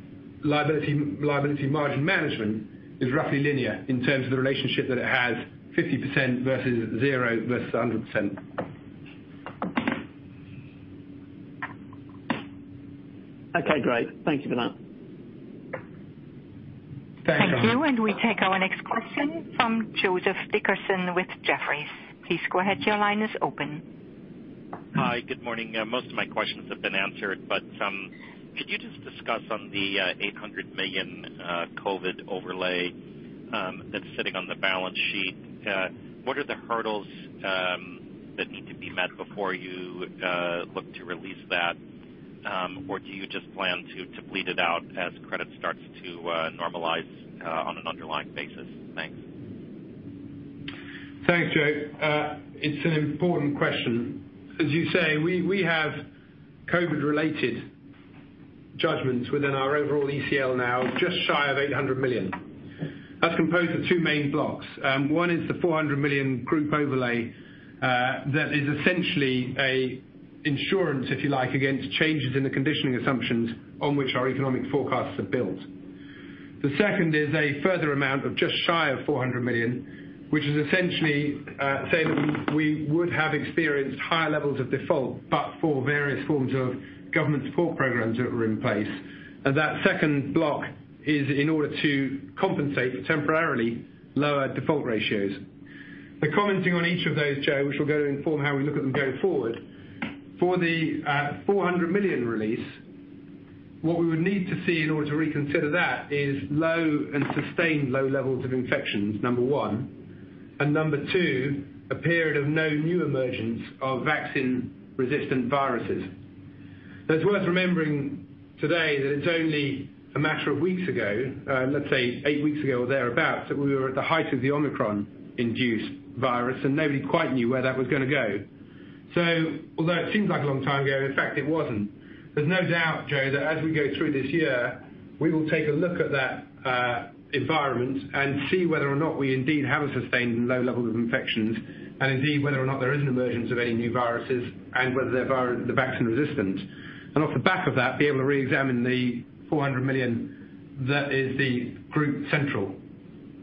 liability margin management is roughly linear in terms of the relationship that it has 50% versus zero versus 100%. Okay, great. Thank you for that. Thanks, Jonathan. Thank you. We take our next question from Joseph Dickerson with Jefferies. Please go ahead. Your line is open. Hi. Good morning. Most of my questions have been answered, could you just discuss on the 800 million COVID overlay that's sitting on the balance sheet. What are the hurdles that need to be met before you look to release that? Do you just plan to bleed it out as credit starts to normalize on an underlying basis? Thanks. Thanks, Joe. It's an important question. As you say, we have COVID-related judgments within our overall ECL now, just shy of 800 million. That's composed of two main blocks. One is the 400 million group overlay, that is essentially an insurance, if you like, against changes in the conditioning assumptions on which our economic forecasts are built. The second is a further amount of just shy of 400 million, which is essentially such that we would have experienced higher levels of default, but for various forms of government support programs that were in place. That second block is in order to compensate for temporarily lower default ratios. Commenting on each of those, Joe, which will go to inform how we look at them going forward, for the 400 million release, what we would need to see in order to reconsider that is low and sustained low levels of infections, number one. And number two, a period of no new emergence of vaccine-resistant viruses. Now, it's worth remembering today that it's only a matter of weeks ago, let's say eight weeks ago or thereabout, that we were at the height of the Omicron induced virus, and nobody quite knew where that was gonna go. Although it seems like a long time ago, in fact it wasn't. There's no doubt, Joe, that as we go through this year, we will take a look at that environment and see whether or not we indeed have a sustained low level of infections and indeed whether or not there is an emergence of any new viruses and whether they're vaccine-resistant. Off the back of that, be able to reexamine the 400 million that is the group central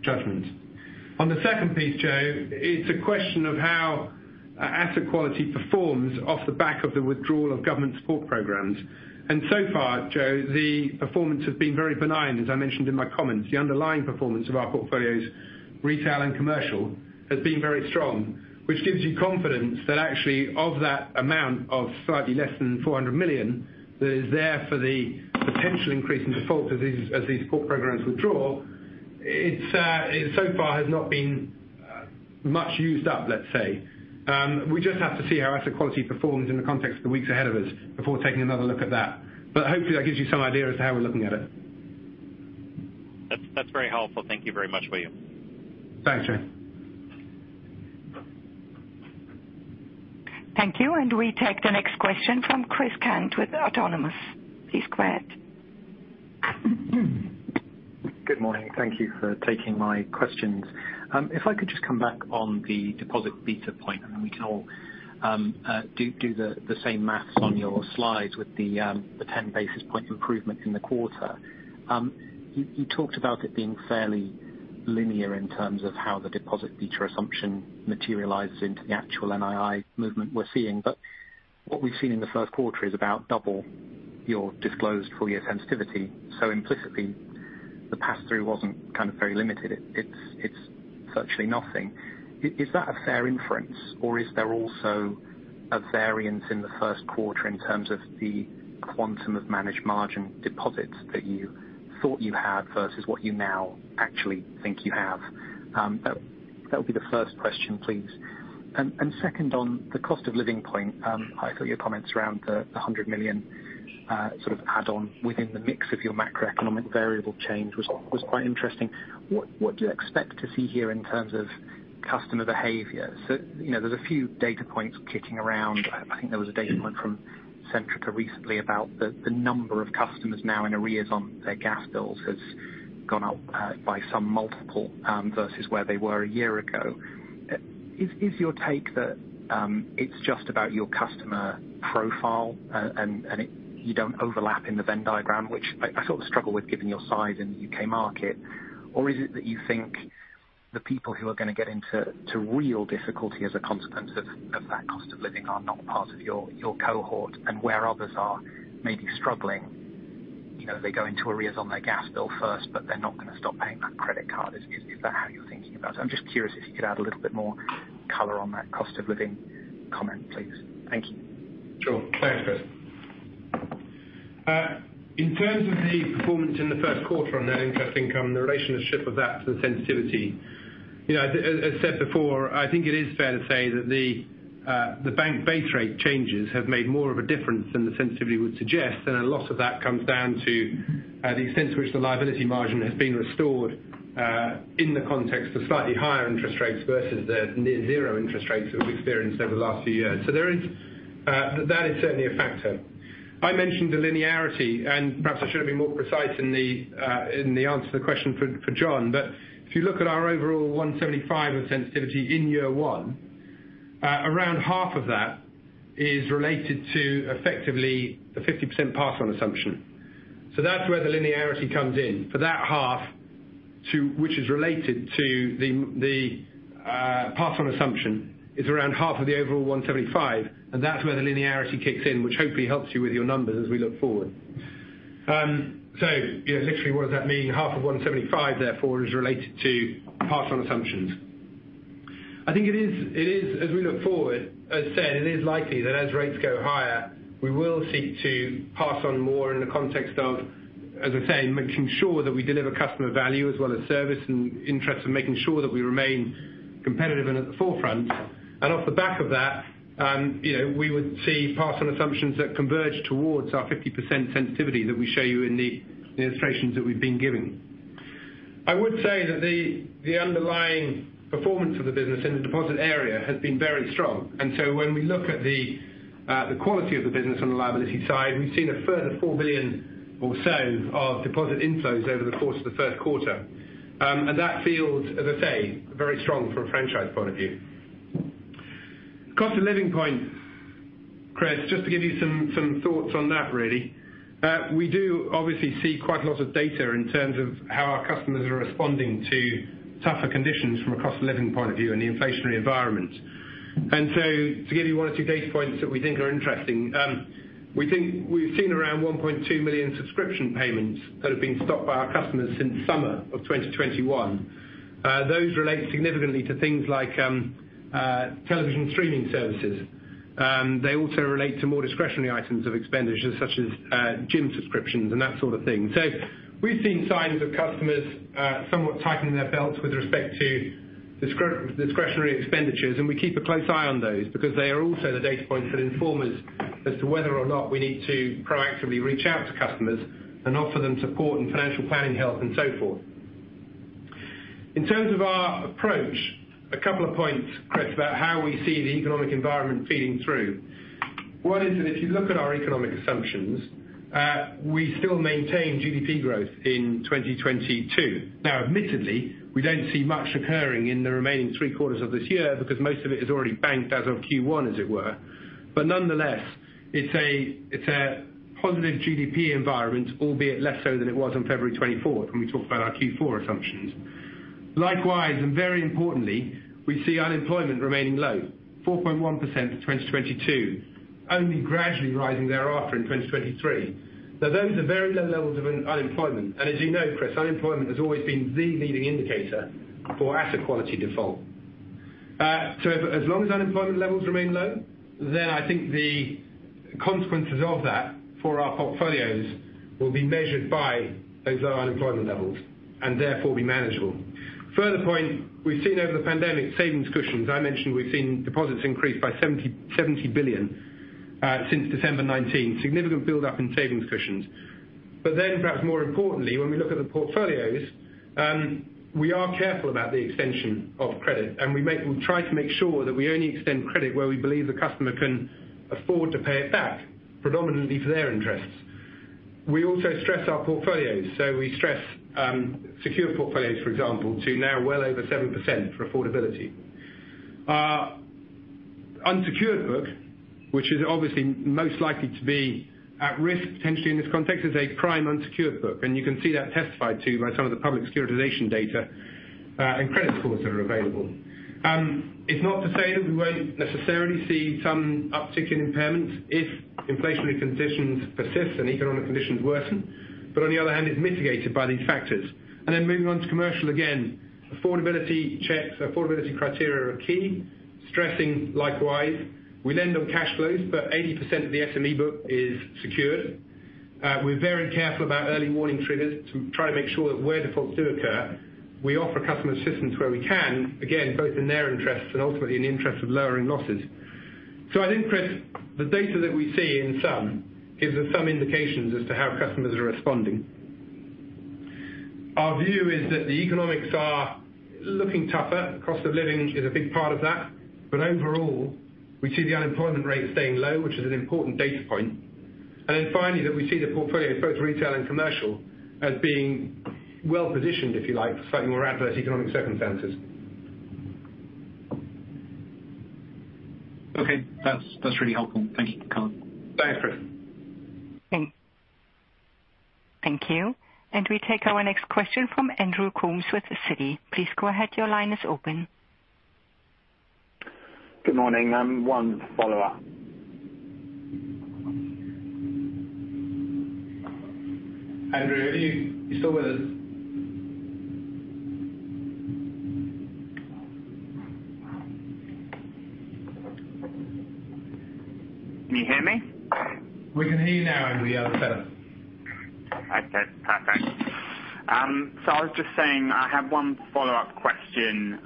judgment. On the second piece, Joe, it's a question of how asset quality performs off the back of the withdrawal of government support programs. So far, Joe, the performance has been very benign as I mentioned in my comments. The underlying performance of our portfolios, retail and commercial, has been very strong, which gives you confidence that actually of that amount of slightly less than 400 million that is there for the potential increase in default as these support programs withdraw. It so far has not been much used up, let's say. We just have to see how asset quality performs in the context of the weeks ahead of us before taking another look at that. Hopefully that gives you some idea as to how we're looking at it. That's very helpful. Thank you very much, William. Thanks, Joe. Thank you. We take the next question from Chris Cant with Autonomous. Please go ahead. Good morning. Thank you for taking my questions. If I could just come back on the deposit beta point, and then we can all do the same math on your slides with the 10 basis point improvement in the quarter. You talked about it being fairly linear in terms of how the deposit beta assumption materializes into the actual NII movement we're seeing. What we've seen in the first quarter is about double your disclosed full-year sensitivity. Implicitly, the pass-through wasn't kind of very limited. It's virtually nothing. Is that a fair inference, or is there also a variance in the first quarter in terms of the quantum of managed margin deposits that you thought you had versus what you now actually think you have? That would be the first question, please. Second on the cost of living point, I thought your comments around the 100 million sort of add on within the mix of your macroeconomic variable change was quite interesting. What do you expect to see here in terms of customer behavior? You know, there's a few data points kicking around. I think there was a data point from Centrica recently about the number of customers now in arrears on their gas bills has gone up by some multiple versus where they were a year ago. Is your take that it's just about your customer profile and you don't overlap in the Venn diagram, which I sort of struggle with given your size in the U.K. market. Is it that you think the people who are gonna get into real difficulty as a consequence of that cost of living are not part of your cohort, and where others are maybe struggling, you know, they go into arrears on their gas bill first, but they're not gonna stop paying that credit card. Is that how you're thinking about it? I'm just curious if you could add a little bit more color on that cost of living comment, please. Thank you. Sure. Thanks, Chris. In terms of the performance in the first quarter on net interest income, the relationship of that to the sensitivity. You know, as said before, I think it is fair to say that the bank base rate changes have made more of a difference than the sensitivity would suggest, and a lot of that comes down to the extent to which the liability margin has been restored in the context of slightly higher interest rates versus the near zero interest rates that we've experienced over the last few years. That is certainly a factor. I mentioned the linearity, and perhaps I should have been more precise in the answer to the question for John. If you look at our overall 175 of sensitivity in year one, around half of that is related to effectively the 50% pass on assumption. That's where the linearity comes in for that half to which is related to the pass on assumption is around half of the overall 175, and that's where the linearity kicks in, which hopefully helps you with your numbers as we look forward. Literally what does that mean? Half of 175 therefore is related to pass on assumptions. I think it is as we look forward, as said, it is likely that as rates go higher, we will seek to pass on more in the context of, as I say, making sure that we deliver customer value as well as service and interest and making sure that we remain competitive and at the forefront. Off the back of that, you know, we would see pass on assumptions that converge towards our 50% sensitivity that we show you in the illustrations that we've been giving. I would say that the underlying performance of the business in the deposit area has been very strong. When we look at the quality of the business on the liability side, we've seen a further 4 billion or so of deposit inflows over the course of the first quarter. That feels, as I say, very strong from a franchise point of view. Cost of living point, Chris, just to give you some thoughts on that really. We do obviously see quite a lot of data in terms of how our customers are responding to tougher conditions from a cost of living point of view and the inflationary environment. To give you one or two data points that we think are interesting. We think we've seen around 1.2 million subscription payments that have been stopped by our customers since summer of 2021. Those relate significantly to things like television streaming services. They also relate to more discretionary items of expenditures such as gym subscriptions and that sort of thing. We've seen signs of customers somewhat tightening their belts with respect to discretionary expenditures, and we keep a close eye on those because they are also the data points that inform us as to whether or not we need to proactively reach out to customers and offer them support and financial planning help and so forth. In terms of our approach, a couple of points, Chris, about how we see the economic environment feeding through. One is that if you look at our economic assumptions, we still maintain GDP growth in 2022. Now admittedly, we don't see much occurring in the remaining three quarters of this year because most of it is already banked as of Q1, as it were. But nonetheless, it's a positive GDP environment, albeit less so than it was on February 24th when we talked about our Q4 assumptions. Likewise, very importantly, we see unemployment remaining low, 4.1% for 2022, only gradually rising thereafter in 2023. Now those are very low levels of unemployment. As you know, Chris, unemployment has always been the leading indicator for asset quality default. As long as unemployment levels remain low, then I think the consequences of that for our portfolios will be measured by those low unemployment levels and therefore be manageable. Further point, we've seen over the pandemic savings cushions. I mentioned we've seen deposits increase by 70 billion since December 2019, significant buildup in savings cushions. Perhaps more importantly, when we look at the portfolios, we are careful about the extension of credit, and we try to make sure that we only extend credit where we believe the customer can afford to pay it back, predominantly for their interests. We also stress our portfolios. We stress secure portfolios, for example, to now well over 7% for affordability. Unsecured book, which is obviously most likely to be at risk potentially in this context, is a prime unsecured book, and you can see that testified to by some of the public securitization data, and credit scores that are available. It's not to say that we won't necessarily see some uptick in impairments if inflationary conditions persist and economic conditions worsen, but on the other hand, it's mitigated by these factors. Moving on to commercial again, affordability checks, affordability criteria are key. Stressing likewise, we lend on cash flows, but 80% of the SME book is secured. We're very careful about early warning triggers to try to make sure that where defaults do occur, we offer customer assistance where we can, again, both in their interests and ultimately in the interest of lowering losses. I think, Chris, the data that we see in sum gives us some indications as to how customers are responding. Our view is that the economics are looking tougher. Cost of living is a big part of that. Overall, we see the unemployment rate staying low, which is an important data point. Finally, that we see the portfolio, both retail and commercial, as being well-positioned, if you like, for slightly more adverse economic circumstances. Okay. That's really helpful. Thank you, Colin. Thanks, Chris. Thank you. We take our next question from Andrew Coombs with Citi. Please go ahead. Your line is open. Good morning. One follow-up. Andrew, are you still with us? Can you hear me? We can hear you now, Andrew. Yeah, that's better. Okay, perfect. I was just saying I have one follow-up question,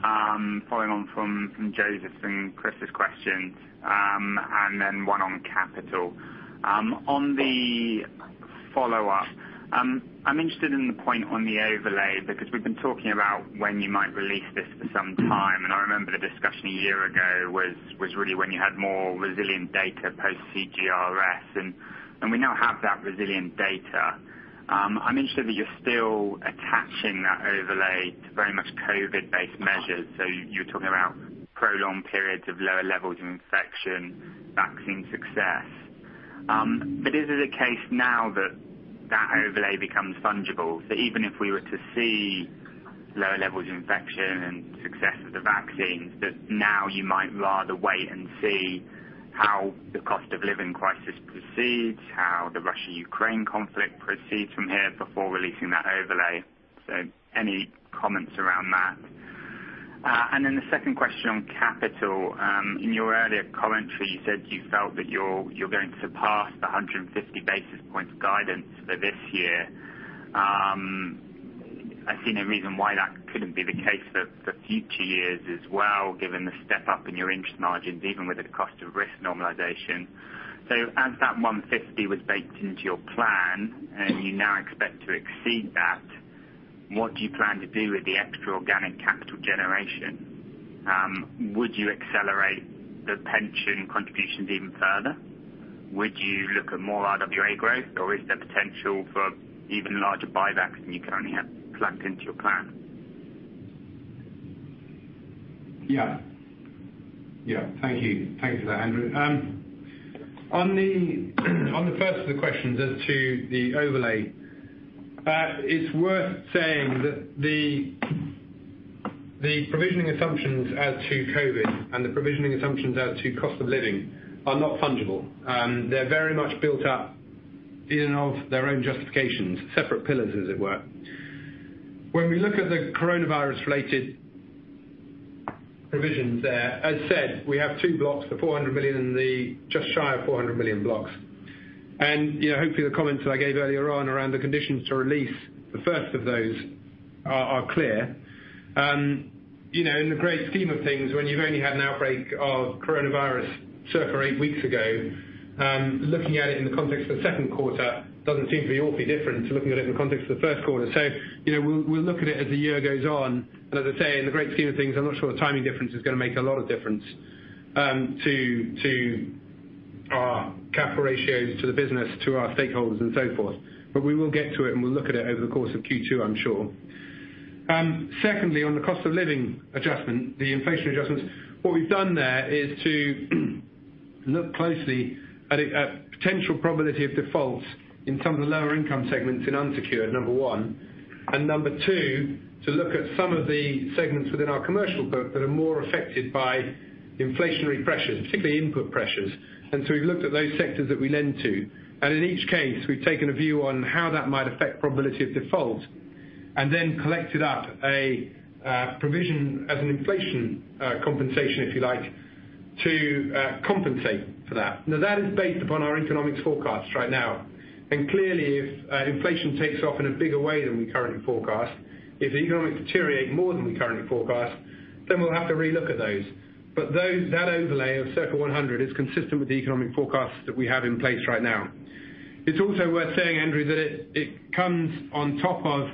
following on from Joseph's and Chris's questions, and then one on capital. On the follow-up, I'm interested in the point on the overlay because we've been talking about when you might release this for some time. I remember the discussion a year ago was really when you had more resilient data post CJRS, and we now have that resilient data. I'm interested that you're still attaching that overlay to very much COVID-based measures. You're talking about prolonged periods of lower levels of infection, vaccine success. Is it a case now that that overlay becomes fungible? Even if we were to see lower levels of infection and success of the vaccines, that now you might rather wait and see how the cost of living crisis proceeds, how the Russia-Ukraine conflict proceeds from here before releasing that overlay. Any comments around that? And then the second question on capital. In your earlier commentary, you said you felt that you're going to surpass the 150 basis points guidance for this year. I see no reason why that couldn't be the case for future years as well, given the step up in your interest margins, even with the cost of risk normalization. As that 150 was baked into your plan and you now expect to exceed that, what do you plan to do with the extra organic capital generation? Would you accelerate the pension contributions even further? Would you look at more RWA growth, or is there potential for even larger buybacks than you currently have plugged into your plan? Thank you. Thank you for that, Andrew. On the first of the questions as to the overlay, it's worth saying that the provisioning assumptions as to COVID and the provisioning assumptions as to cost of living are not fungible. They're very much built up in and of their own justifications, separate pillars, as it were. When we look at the coronavirus related provisions there, as said, we have two blocks, the 400 million and the just shy of 400 million blocks. You know, hopefully the comments that I gave earlier on around the conditions to release the first of those are clear. You know, in the great scheme of things, when you've only had an outbreak of coronavirus circa eight weeks ago, looking at it in the context of the second quarter doesn't seem to be awfully different to looking at it in context of the first quarter. You know, we'll look at it as the year goes on. As I say, in the great scheme of things, I'm not sure the timing difference is gonna make a lot of difference to our capital ratios to the business, to our stakeholders and so forth. We will get to it, and we'll look at it over the course of Q2, I'm sure. Secondly, on the cost of living adjustment, the inflation adjustments, what we've done there is to look closely at potential probability of defaults in some of the lower income segments in unsecured, number one. Number two, to look at some of the segments within our commercial book that are more affected by inflationary pressures, particularly input pressures. We've looked at those sectors that we lend to. In each case, we've taken a view on how that might affect probability of default, and then collected up a provision as an inflation compensation, if you like, to compensate for that. Now that is based upon our economics forecast right now. Clearly if inflation takes off in a bigger way than we currently forecast, if the economy deteriorates more than we currently forecast, then we'll have to re-look at those. That overlay of circa 100 million is consistent with the economic forecasts that we have in place right now. It's also worth saying, Andrew, that it comes on top of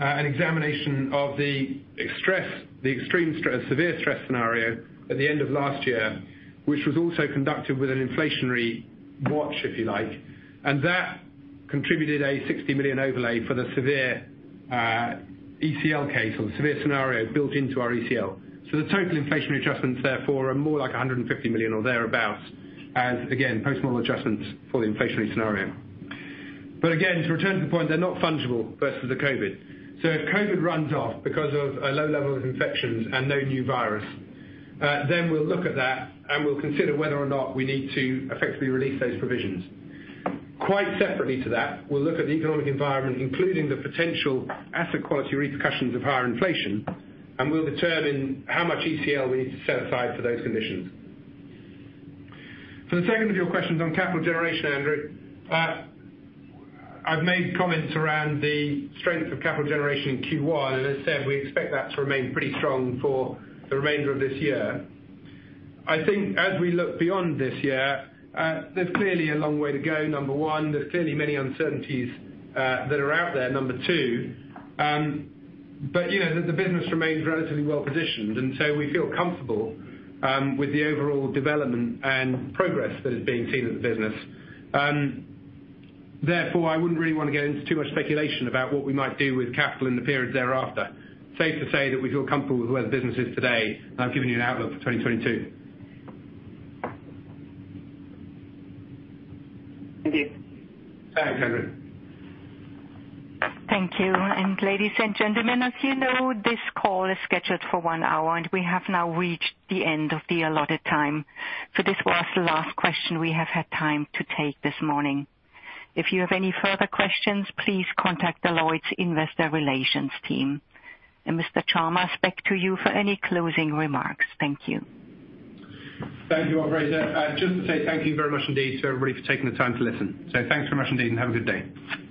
an examination of the extreme stress severe stress scenario at the end of last year, which was also conducted with an inflationary watch, if you like. That contributed a 60 million overlay for the severe ECL case or the severe scenario built into our ECL. The total inflation adjustments therefore are more like 150 million or thereabout as again, post-model adjustments for the inflationary scenario. To return to the point, they're not fungible versus the COVID. If COVID runs off because of a low level of infections and no new virus, then we'll look at that, and we'll consider whether or not we need to effectively release those provisions. Quite separately to that, we'll look at the economic environment, including the potential asset quality repercussions of higher inflation, and we'll determine how much ECL we need to set aside for those conditions. For the second of your questions on capital generation, Andrew, I've made comments around the strength of capital generation in Q1, and as I said, we expect that to remain pretty strong for the remainder of this year. I think as we look beyond this year, there's clearly a long way to go, number one. There's clearly many uncertainties that are out there, number two. You know, the business remains relatively well-positioned, and so we feel comfortable with the overall development and progress that is being seen in the business. Therefore, I wouldn't really wanna get into too much speculation about what we might do with capital in the periods thereafter. Safe to say that we feel comfortable with where the business is today, and I've given you an outlook for 2022. Indeed. Thanks, Andrew. Thank you. Ladies and gentlemen, as you know, this call is scheduled for one hour, and we have now reached the end of the allotted time. This was the last question we have had time to take this morning. If you have any further questions, please contact the Lloyds Investor Relations team. Mr. Chalmers, back to you for any closing remarks. Thank you. Thank you, Operator. Just to say thank you very much indeed to everybody for taking the time to listen. Thanks very much indeed, and have a good day.